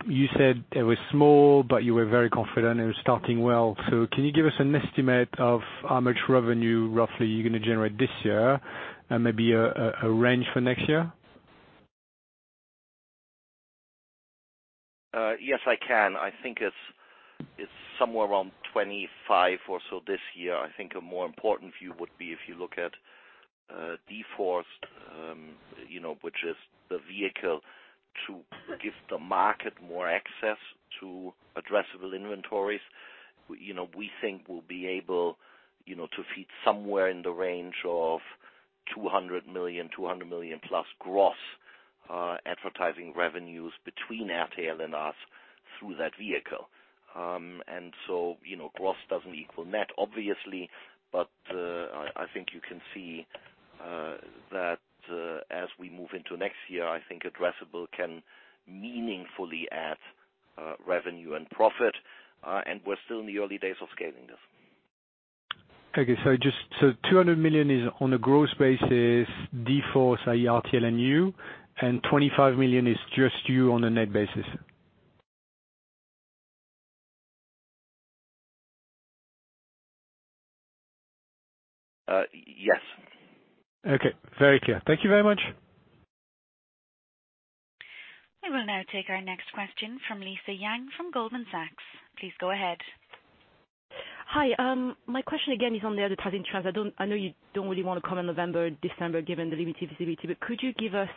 You said it was small, but you were very confident it was starting well. Can you give us an estimate of how much revenue, roughly, you're going to generate this year and maybe a range for next year? Yes, I can. I think it's somewhere around 25 or so this year. I think a more important view would be if you look at d-force, which is the vehicle to give the market more access to addressable inventories. We think we'll be able to feed somewhere in the range of 200 million-plus gross advertising revenues between RTL and us through that vehicle. Gross doesn't equal net, obviously. I think you can see that as we move into next year, I think addressable can meaningfully add revenue and profit. We're still in the early days of scaling this. Just so 200 million is on a gross basis, d-force, i.e. RTL and you, and 25 million is just you on a net basis. Yes. Okay. Very clear. Thank you very much. We will now take our next question from Lisa Yang from Goldman Sachs. Please go ahead. Hi. My question again is on the advertising trends. I know you don't really want to comment November, December, given the limited visibility. Could you give us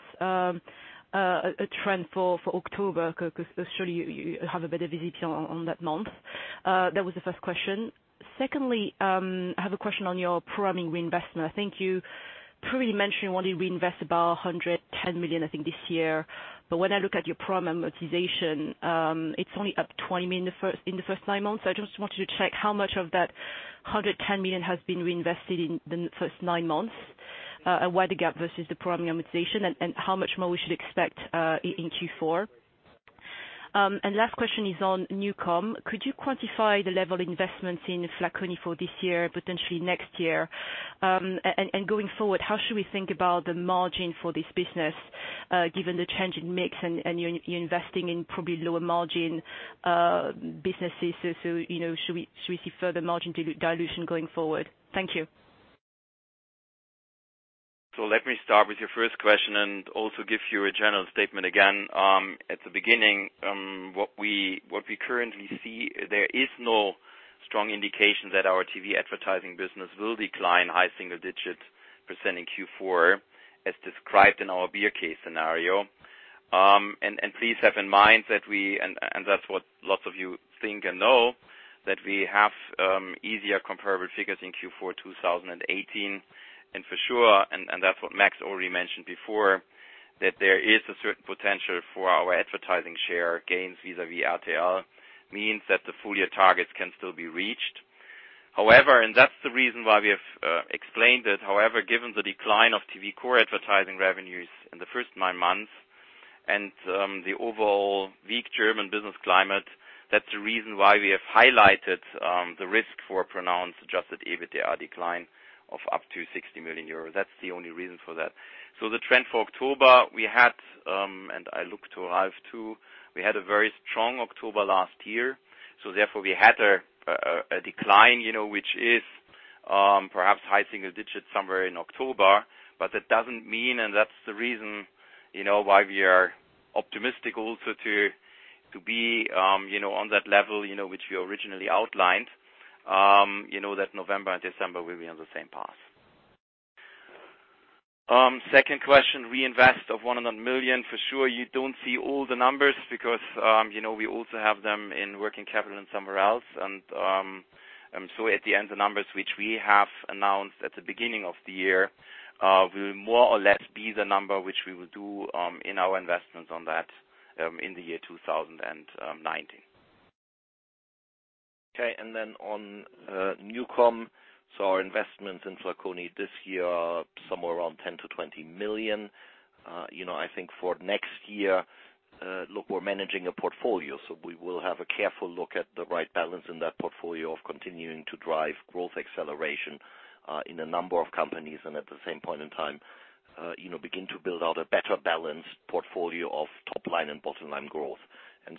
a trend for October? Surely you have a better visibility on that month. That was the first question. Secondly, I have a question on your programming reinvestment. I think you previously mentioned you want to reinvest about 110 million, I think, this year. When I look at your program amortization, it's only up 20 million in the first nine months. I just wanted to check how much of that 110 million has been reinvested in the first nine months, and where the gap versus the program amortization and how much more we should expect in Q4. Last question is on NuCom. Could you quantify the level of investments in Flaconi for this year, potentially next year? Going forward, how should we think about the margin for this business given the change in mix and you're investing in probably lower margin businesses? Should we see further margin dilution going forward? Thank you. Let me start with your first question and also give you a general statement again. At the beginning, what we currently see, there is no strong indication that our TV advertising business will decline high single digits% in Q4 as described in our bear case scenario. Please have in mind that we, and that's what lots of you think and know, have easier comparable figures in Q4 2018. For sure, and that's what Max already mentioned before, that there is a certain potential for our advertising share gains vis-à-vis RTL, means that the full year targets can still be reached. However, that's the reason why we have explained it. Given the decline of TV core advertising revenues in the first nine months and the overall weak German business climate, that's the reason why we have highlighted the risk for a pronounced adjusted EBITDA decline of up to 60 million euros. That's the only reason for that. The trend for October, we had, and I look to Ralf too, we had a very strong October last year, therefore we had a decline, which is perhaps high single digits somewhere in October. That doesn't mean, and that's the reason why we are optimistic also to be on that level which we originally outlined, that November and December will be on the same path. Second question, reinvest of 100 million. For sure, you don't see all the numbers because we also have them in working capital and somewhere else. At the end, the numbers which we have announced at the beginning of the year will more or less be the number which we will do in our investment on that in the year 2019. Okay. Then on NuCom, our investments in flaconi this year are somewhere around 10 million-20 million. I think for next year, look, we're managing a portfolio, so we will have a careful look at the right balance in that portfolio of continuing to drive growth acceleration in a number of companies. At the same point in time, begin to build out a better balanced portfolio of top line and bottom line growth.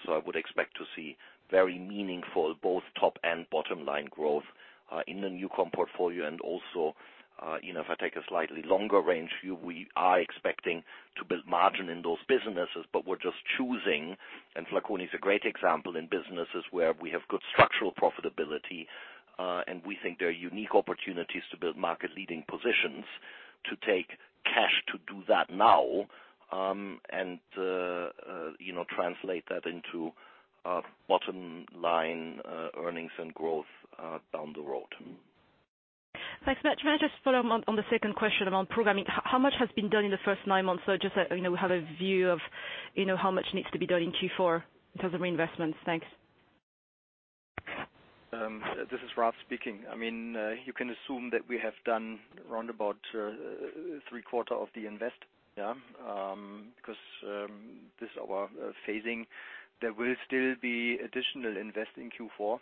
I would expect to see very meaningful both top and bottom line growth in the NuCom portfolio. Also, if I take a slightly longer range view, we are expecting to build margin in those businesses, but we're just choosing. Flaconi is a great example in businesses where we have good structural profitability, and we think there are unique opportunities to build market-leading positions to take cash to do that now, and translate that into bottom line earnings and growth down the road. Thanks. Max, may I just follow on the second question around programming? How much has been done in the first nine months? Just that we have a view of how much needs to be done in Q4 in terms of reinvestments. Thanks. This is Ralf speaking. You can assume that we have done around about three quarter of the invest. Because this is our phasing. There will still be additional invest in Q4.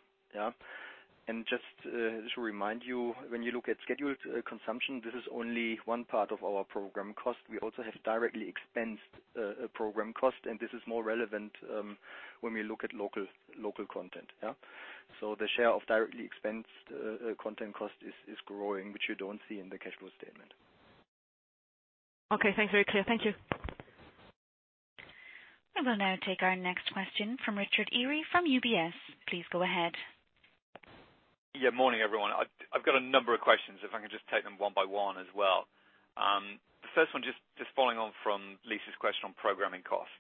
Just to remind you, when you look at scheduled consumption, this is only one part of our program cost. We also have directly expensed program cost, and this is more relevant when we look at local content. The share of directly expensed content cost is growing, which you don't see in the cash flow statement. Okay, thanks. Very clear. Thank you. We will now take our next question from Richard Eary from UBS. Please go ahead. Yeah, morning, everyone. I've got a number of questions, if I can just take them one by one as well. The first one, just following on from Lisa's question on programming costs.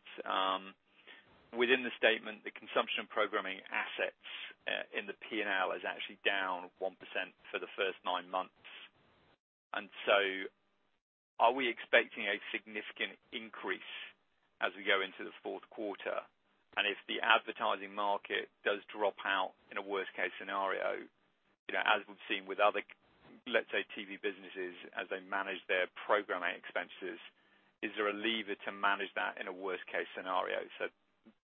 Within the statement, the consumption programming assets in the P&L is actually down 1% for the first nine months. Are we expecting a significant increase as we go into the fourth quarter? If the advertising market does drop out in a worst-case scenario, as we've seen with other, let's say, TV businesses, as they manage their programming expenses, is there a lever to manage that in a worst-case scenario?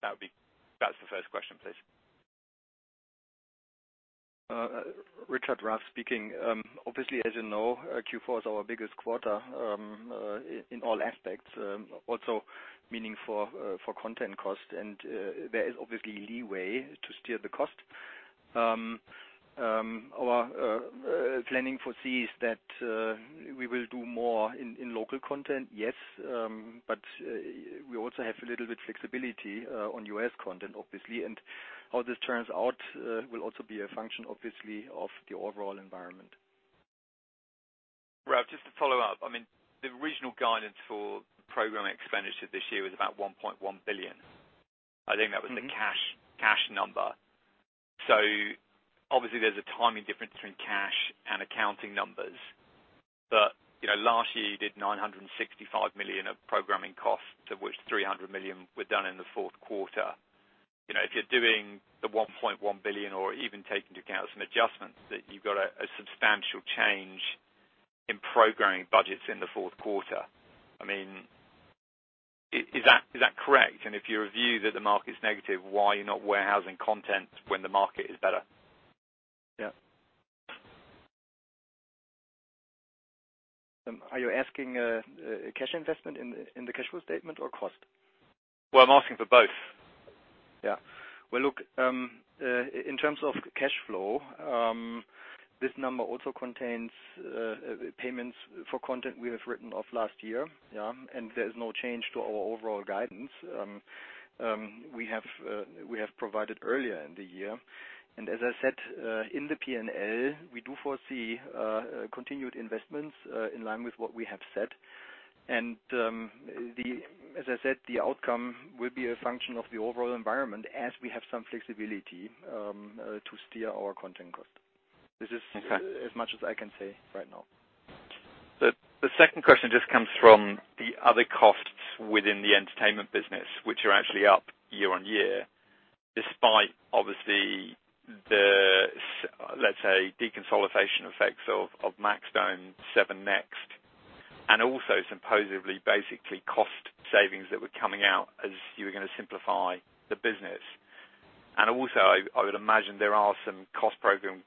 That's the first question, please. Richard, Ralf speaking. Obviously, as you know, Q4 is our biggest quarter in all aspects. Also meaningful for content costs, there is obviously leeway to steer the cost. Our planning foresees that we will do more in local content, yes. We also have a little bit of flexibility on U.S. content, obviously. How this turns out will also be a function, obviously, of the overall environment. Ralf, just to follow up. The regional guidance for programming expenditure this year was about 1.1 billion. I think that was the cash number. Obviously there's a timing difference between cash and accounting numbers. Last year, you did 965 million of programming costs, of which 300 million were done in the fourth quarter. If you're doing the 1.1 billion or even taking into account some adjustments, that you've got a substantial change in programming budgets in the fourth quarter. Is that correct? If you review that the market's negative, why are you not warehousing content when the market is better? Yeah. Are you asking cash investment in the cash flow statement or cost? Well, I'm asking for both. Well, look, in terms of cash flow, this number also contains payments for content we have written off last year, yeah? There is no change to our overall guidance we have provided earlier in the year. As I said, in the P&L, we do foresee continued investments in line with what we have said. As I said, the outcome will be a function of the overall environment as we have some flexibility to steer our content cost. Okay as much as I can say right now. The second question just comes from the other costs within the entertainment business, which are actually up year-on-year, despite obviously the, let's say, deconsolidation effects of maxdome, 7NXT, and also supposedly basically cost savings that were coming out as you were going to simplify the business. Also, I would imagine there are some cost program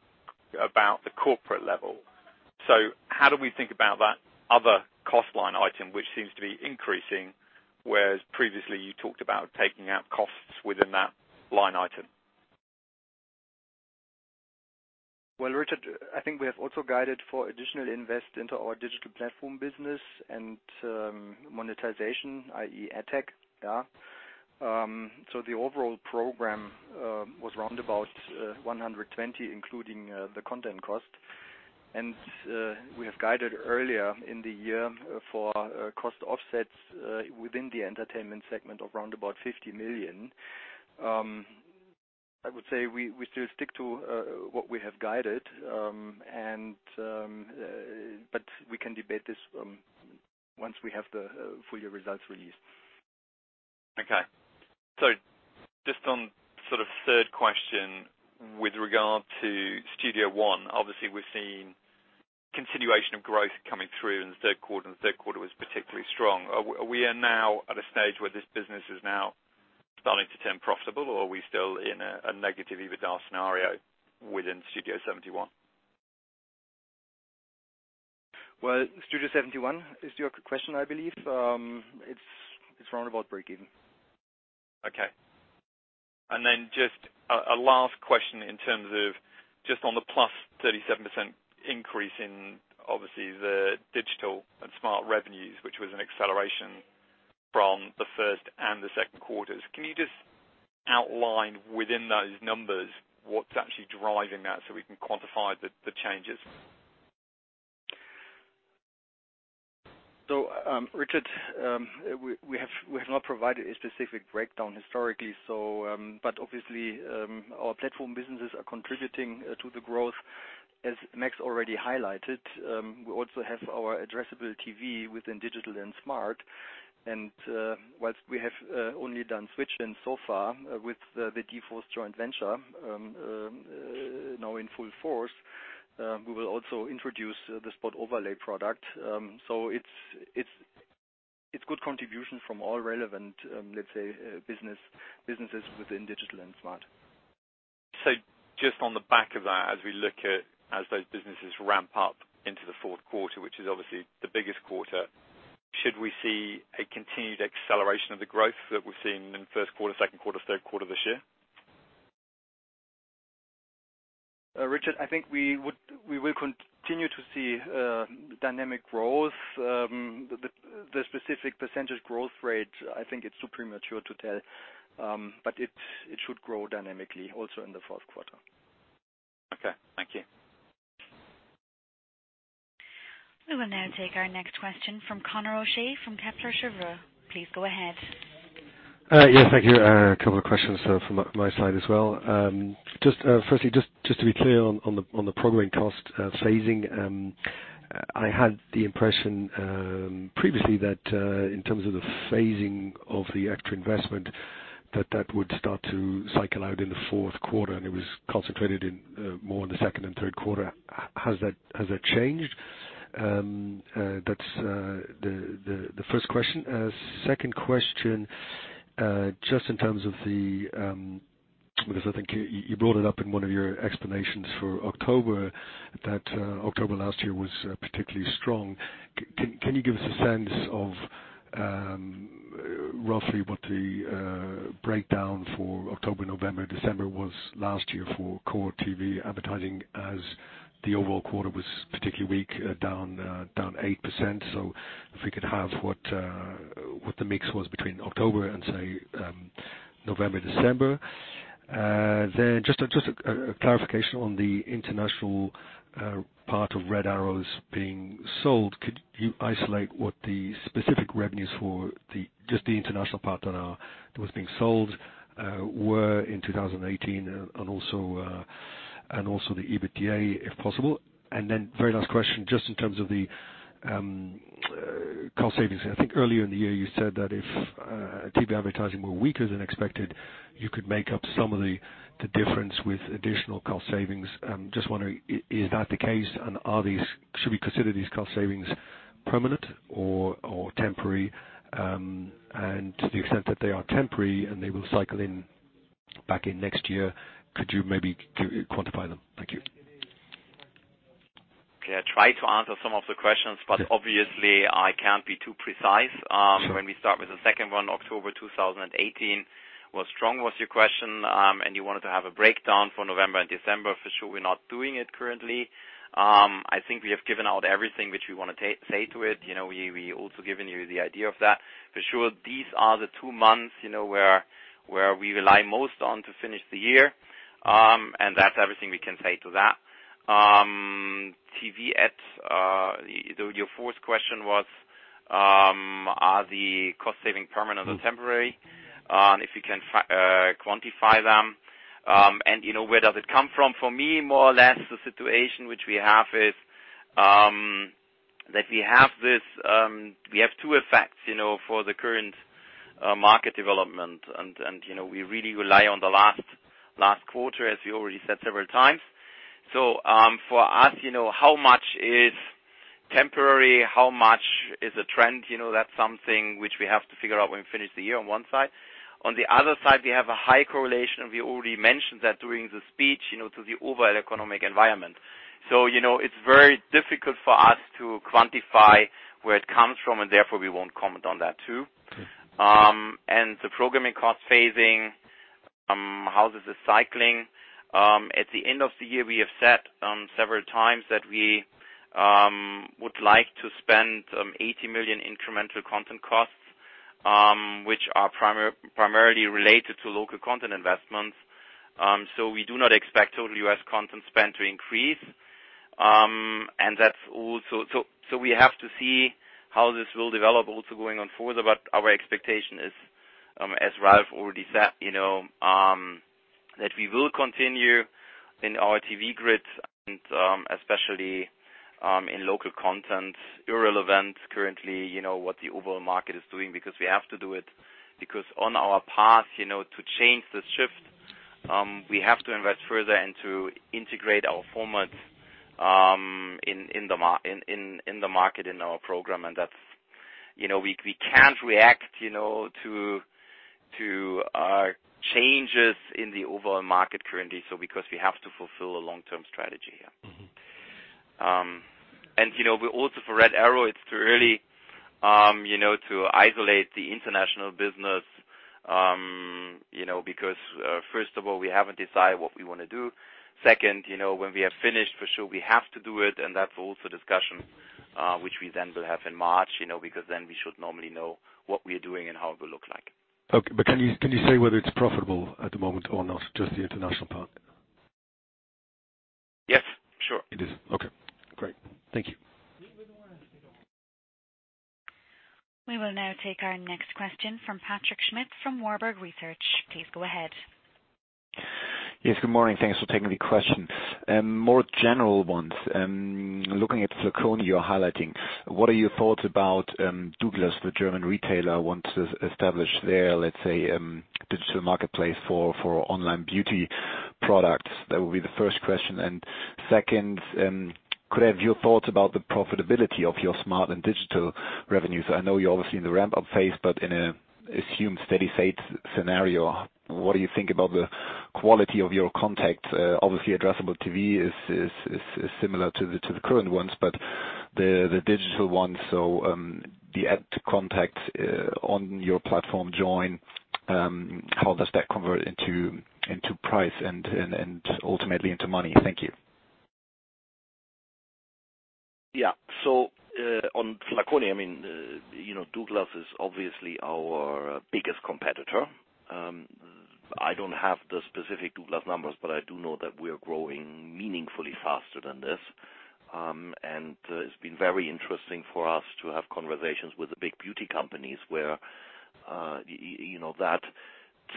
about the corporate level. How do we think about that other cost line item, which seems to be increasing, whereas previously you talked about taking out costs within that line item? Well, Richard, I think we have also guided for additional invest into our digital platform business and monetization, i.e., ad tech. Yeah. The overall program was around about 120 million, including the content cost. We have guided earlier in the year for cost offsets within the entertainment segment of around about 50 million. I would say we still stick to what we have guided, but we can debate this once we have the full year results released. Okay. Just on sort of third question with regard to Studio71, obviously we're seeing continuation of growth coming through in the third quarter, and the third quarter was particularly strong. We are now at a stage where this business is now starting to turn profitable, or are we still in a negative EBITDA scenario within Studio71? Well, Studio71 is your question, I believe. It's around about breakeven. Okay. Just a last question in terms of just on the plus 37% increase in, obviously, the digital and smart revenues, which was an acceleration from the first and the second quarters. Can you just outline within those numbers what's actually driving that so we can quantify the changes? Richard, we have not provided a specific breakdown historically. Obviously, our platform businesses are contributing to the growth, as Max already highlighted. We also have our addressable TV within digital and smart. Whilst we have only done SwitchIn Sofa with the d-force's joint venture now in full force, we will also introduce the spot overlay product. It's good contribution from all relevant, let's say, businesses within digital and smart. Just on the back of that, as those businesses ramp up into the fourth quarter, which is obviously the biggest quarter, should we see a continued acceleration of the growth that we've seen in first quarter, second quarter, third quarter this year? Richard, I think we will continue to see dynamic growth. The specific percentage growth rate, I think it's too premature to tell. It should grow dynamically also in the fourth quarter. Okay. Thank you. We will now take our next question from Conor O'Shea from Kepler Cheuvreux. Please go ahead. Thank you. A couple of questions from my side as well. Firstly, just to be clear on the programming cost phasing, I had the impression previously that in terms of the phasing of the extra investment, that that would start to cycle out in the fourth quarter, and it was concentrated more in the second and third quarter. Has that changed? That's the first question. Second question, just in terms of Because I think you brought it up in one of your explanations for October, that October last year was particularly strong. Can you give us a sense of roughly what the breakdown for October, November, December was last year for core TV advertising as the overall quarter was particularly weak, down 8%? If we could have what the mix was between October and, say, November, December. Just a clarification on the international part of Red Arrow being sold. Could you isolate what the specific revenues for just the international part that was being sold were in 2018 and also the EBITDA, if possible? Very last question, just in terms of the cost savings. I think earlier in the year you said that if TV advertising were weaker than expected, you could make up some of the difference with additional cost savings. I'm just wondering, is that the case? Should we consider these cost savings permanent or temporary? To the extent that they are temporary and they will cycle back in next year, could you maybe quantify them? Thank you. Okay, I try to answer some of the questions, but obviously I can't be too precise. Let me start with the second one. October 2018 was strong, was your question, and you wanted to have a breakdown for November and December. For sure, we're not doing it currently. I think we have given out everything which we want to say to it. We also given you the idea of that. For sure, these are the two months where we rely most on to finish the year. That's everything we can say to that. Your fourth question was, are the cost saving permanent or temporary? If we can quantify them. Where does it come from? For me, more or less, the situation which we have is, that we have two effects for the current market development. We really rely on the last quarter, as we already said several times. For us, how much is temporary, how much is a trend? That's something which we have to figure out when we finish the year on one side. The other side, we have a high correlation, we already mentioned that during the speech, to the overall economic environment. It's very difficult for us to quantify where it comes from and therefore we won't comment on that, too. Okay. The programming cost phasing, how does the cycling. At the end of the year, we have said several times that we would like to spend 80 million incremental content costs, which are primarily related to local content investments. We do not expect total U.S. content spend to increase. We have to see how this will develop also going on further, but our expectation is, as Ralf already said, that we will continue in our TV grids and especially in local content, irrelevant currently what the overall market is doing, because we have to do it. On our path to change the shift, we have to invest further and to integrate our formats in the market, in our program. We can't react to changes in the overall market currently, because we have to fulfill a long-term strategy here. Also for Red Arrow, it's to really isolate the international business, because first of all, we haven't decided what we want to do. When we are finished, for sure, we have to do it, and that's also a discussion which we then will have in March, because then we should normally know what we are doing and how it will look like. Okay. Can you say whether it's profitable at the moment or not, just the international part? Yes. Sure. It is. Okay, great. Thank you. We will now take our next question from Patrick Schmidt from Warburg Research. Please go ahead. Yes, good morning. Thanks for taking the question. More general ones. Looking at Flaconi, you're highlighting, what are your thoughts about Douglas, the German retailer, wants to establish their, let's say, digital marketplace for online beauty products? That will be the first question. Second, could I have your thoughts about the profitability of your smart and digital revenues? I know you're obviously in the ramp-up phase, but in an assumed steady state scenario, what do you think about the quality of your contacts? Obviously, addressable TV is similar to the current ones, but the digital ones, so the ad to contacts on your platform Joyn, how does that convert into price and ultimately into money? Thank you. On Flaconi, Douglas is obviously our biggest competitor. I don't have the specific Douglas numbers, but I do know that we are growing meaningfully faster than this. It's been very interesting for us to have conversations with the big beauty companies where that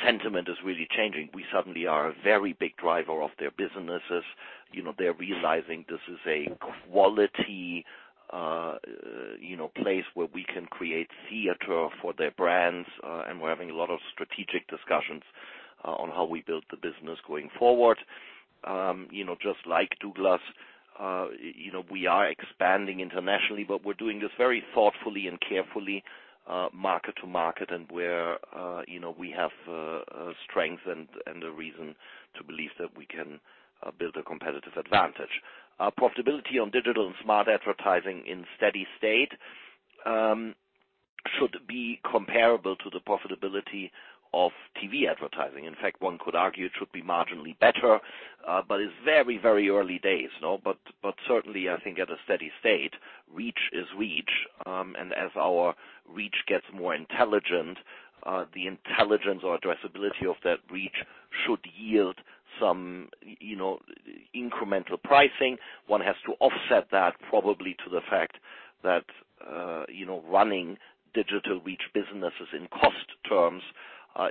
sentiment is really changing. We suddenly are a very big driver of their businesses. They're realizing this is a quality place where we can create theater for their brands. We're having a lot of strategic discussions on how we build the business going forward. Just like Douglas, we are expanding internationally, but we're doing this very thoughtfully and carefully, market to market, and where we have strength and a reason to believe that we can build a competitive advantage. Our profitability on digital and smart advertising in steady state should be comparable to the profitability of TV advertising. In fact, one could argue it should be marginally better. It's very early days. Certainly, I think at a steady state, reach is reach. As our reach gets more intelligent, the intelligence or addressability of that reach should yield some incremental pricing. One has to offset that probably to the fact that running digital reach businesses in cost terms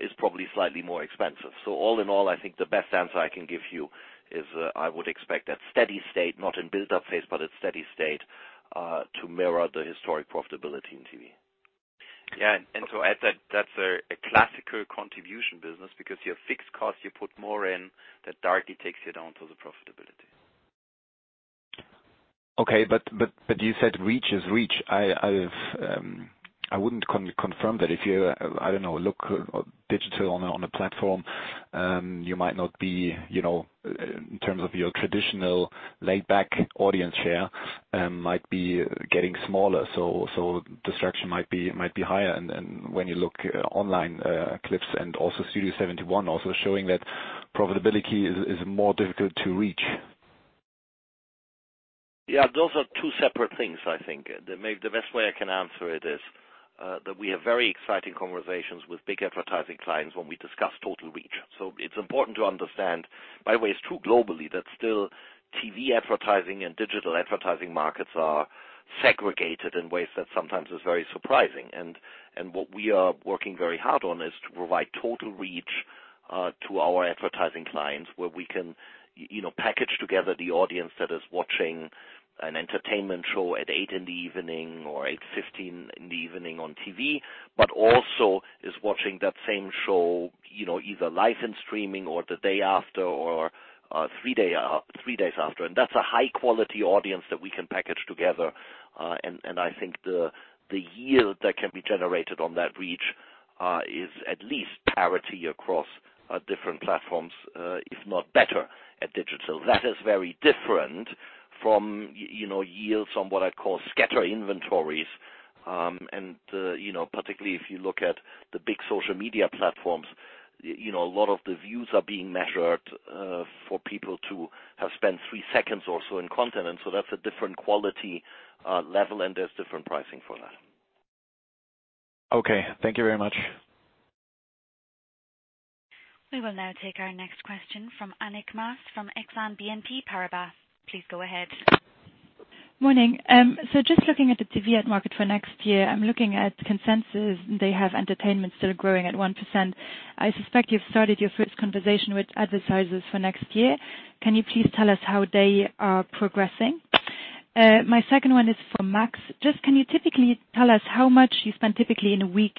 Is probably slightly more expensive. All in all, I think the best answer I can give you is, I would expect that steady state, not in build-up phase, but at steady state, to mirror the historic profitability in TV. Yeah. To add that's a classical contribution business because you have fixed costs, you put more in, that directly takes you down to the profitability. Okay. You said reach is reach. I wouldn't confirm that. If you, I don't know, look digital on a platform, you might not be, in terms of your traditional laid back audience share, might be getting smaller. Distraction might be higher. When you look online, clips and also Studio71 also showing that profitability is more difficult to reach. Those are two separate things, I think. The best way I can answer it is that we have very exciting conversations with big advertising clients when we discuss total reach. It's important to understand, by the way, it's true globally, that still TV advertising and digital advertising markets are segregated in ways that sometimes is very surprising. What we are working very hard on is to provide total reach to our advertising clients where we can package together the audience that is watching an entertainment show at 8:00 in the evening or 8:15 in the evening on TV, but also is watching that same show either live and streaming or the day after or three days after. That's a high-quality audience that we can package together. I think the yield that can be generated on that reach is at least parity across different platforms, if not better at digital. That is very different from yields on what I'd call scatter inventories. Particularly if you look at the big social media platforms, a lot of the views are being measured for people to have spent 3 seconds or so in content. That's a different quality level and there's different pricing for that. Okay. Thank you very much. We will now take our next question from Annick Maas from Exane BNP Paribas. Please go ahead. Morning. Just looking at the TV ad market for next year, I'm looking at consensus. They have entertainment still growing at 1%. I suspect you've started your first conversation with advertisers for next year. Can you please tell us how they are progressing? My second one is for Max. Just, can you typically tell us how much you spend typically in a week,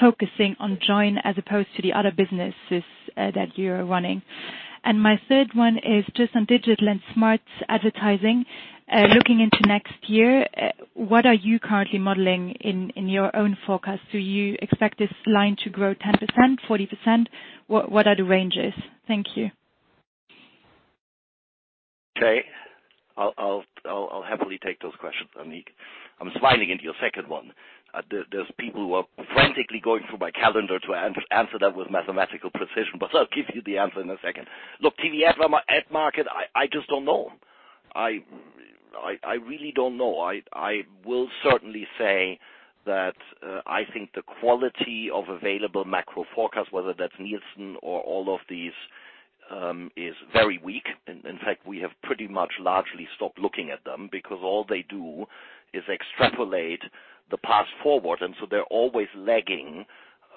focusing on Joyn as opposed to the other businesses that you're running? My third one is just on digital and smart advertising. Looking into next year, what are you currently modeling in your own forecast? Do you expect this line to grow 10%, 40%? What are the ranges? Thank you. Okay. I'll happily take those questions, Annick. I'm smiling into your second one. There's people who are frantically going through my calendar to answer that with mathematical precision. I'll give you the answer in a second. Look, TV ad market, I just don't know. I really don't know. I will certainly say that, I think the quality of available macro forecast, whether that's Nielsen or all of these, is very weak. In fact, we have pretty much largely stopped looking at them because all they do is extrapolate the path forward. They're always lagging,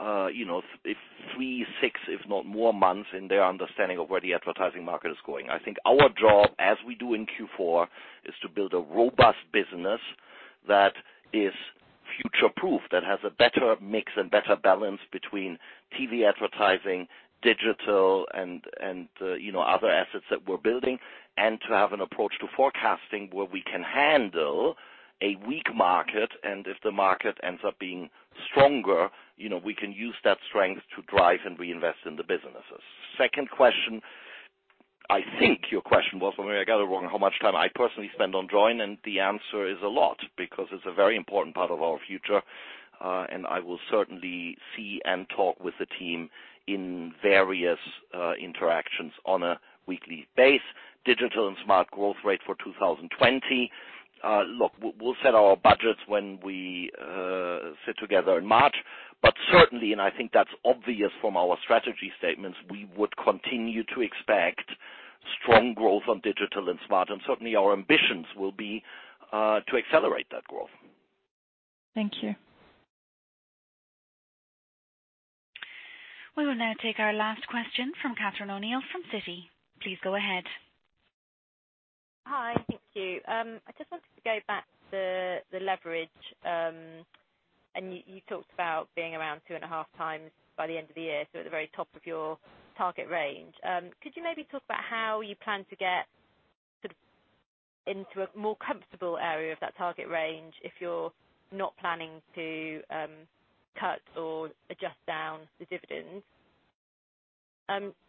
if three, six, if not more months in their understanding of where the advertising market is going. I think our job, as we do in Q4, is to build a robust business that is future-proof, that has a better mix and better balance between TV advertising, digital, and other assets that we're building. To have an approach to forecasting where we can handle a weak market, and if the market ends up being stronger, we can use that strength to drive and reinvest in the businesses. Second question, I think your question was, if I may, I got it wrong, how much time I personally spend on Joyn, and the answer is a lot because it's a very important part of our future. I will certainly see and talk with the team in various interactions on a weekly basis. Digital and smart growth rate for 2020. Look, we'll set our budgets when we sit together in March. Certainly, and I think that's obvious from our strategy statements, we would continue to expect strong growth on digital and smart, and certainly our ambitions will be to accelerate that growth. Thank you. We will now take our last question from Catherine O'Neill from Citi. Please go ahead. Hi. Thank you. I just wanted to go back to the leverage. You talked about being around two and a half times by the end of the year, so at the very top of your target range. Could you maybe talk about how you plan to get sort of into a more comfortable area of that target range if you're not planning to cut or adjust down the dividends?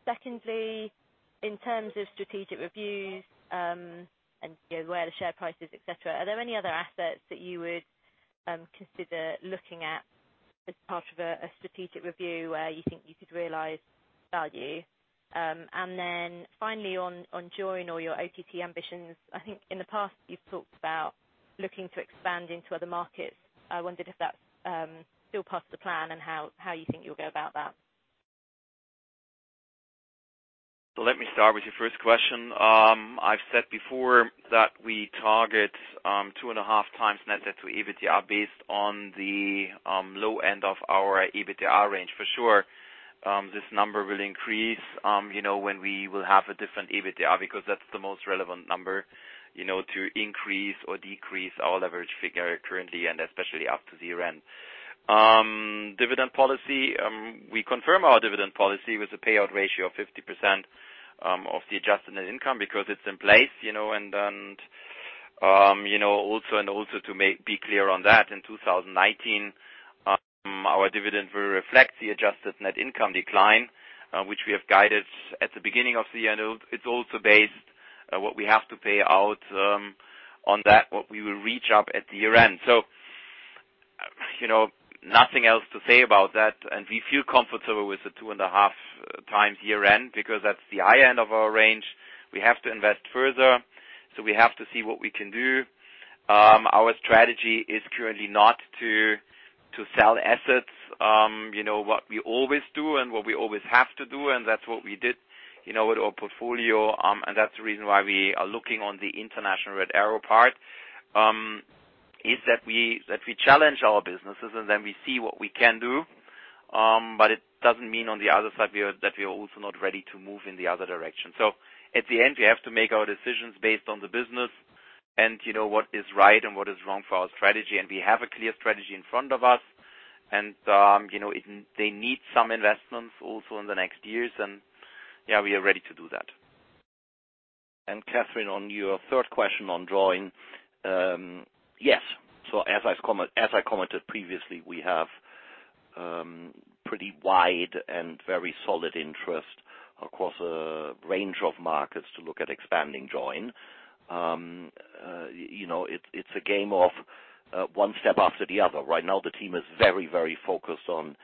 Secondly, in terms of strategic reviews, and where the share price is, et cetera, are there any other assets that you would consider looking at as part of a strategic review where you think you could realize value? Finally on Joyn or your OTT ambitions, I think in the past you've talked about looking to expand into other markets. I wondered if that's still part of the plan and how you think you'll go about that. Let me start with your first question. I've said before that we target two and a half times net debt to EBITDA based on the low end of our EBITDA range. For sure, this number will increase when we will have a different EBITDA, because that's the most relevant number to increase or decrease our leverage figure currently, and especially up to the year-end. Dividend policy, we confirm our dividend policy with a payout ratio of 50% of the adjusted net income because it's in place. Also to be clear on that, in 2019, our dividend will reflect the adjusted net income decline, which we have guided at the beginning of the year. It's also based what we have to pay out on that, what we will reach up at the year-end. Nothing else to say about that. We feel comfortable with the 2.5 times year-end, because that's the high end of our range. We have to invest further, so we have to see what we can do. Our strategy is currently not to sell assets. What we always do and what we always have to do, and that's what we did with our portfolio, and that's the reason why we are looking on the International Red Arrow part, is that we challenge our businesses and then we see what we can do. It doesn't mean on the other side that we are also not ready to move in the other direction. At the end, we have to make our decisions based on the business and what is right and what is wrong for our strategy. We have a clear strategy in front of us. They need some investments also in the next years. Yeah, we are ready to do that. Catherine, on your third question on Joyn. Yes. As I commented previously, we have pretty wide and very solid interest across a range of markets to look at expanding Joyn. It's a game of one step after the other. Right now the team is very focused on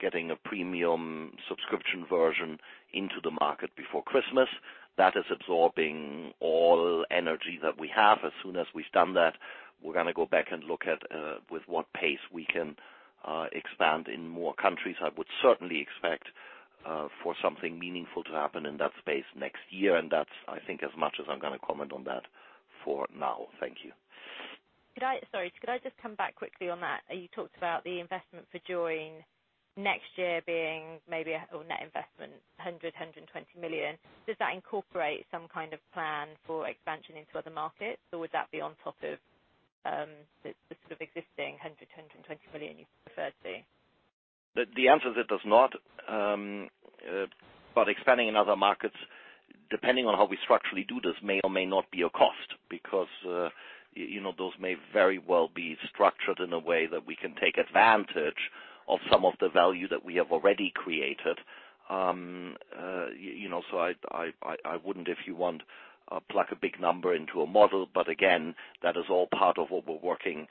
getting a premium subscription version into the market before Christmas. That is absorbing all energy that we have. As soon as we've done that, we're going to go back and look at with what pace we can expand in more countries. I would certainly expect for something meaningful to happen in that space next year, and that's, I think, as much as I'm going to comment on that for now. Thank you. Sorry. Could I just come back quickly on that? You talked about the investment for Joyn next year being net investment 100 million-120 million. Does that incorporate some kind of plan for expansion into other markets, or would that be on top of the sort of existing 100 million-120 million you've referred to? The answer is it does not. Expanding in other markets, depending on how we structurally do this, may or may not be a cost because those may very well be structured in a way that we can take advantage of some of the value that we have already created. I wouldn't, if you want, pluck a big number into a model. Again, that is all part of what we're working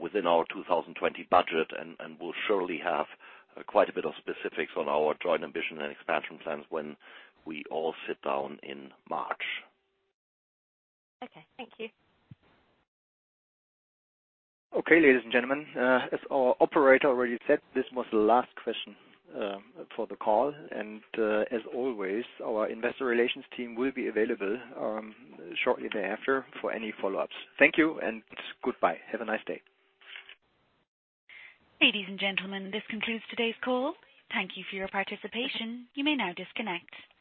within our 2020 budget, and we'll surely have quite a bit of specifics on our Joyn ambition and expansion plans when we all sit down in March. Okay. Thank you. Okay, ladies and gentlemen. As our operator already said, this was the last question for the call. As always, our investor relations team will be available shortly thereafter for any follow-ups. Thank you and goodbye. Have a nice day. Ladies and gentlemen, this concludes today's call. Thank you for your participation. You may now disconnect.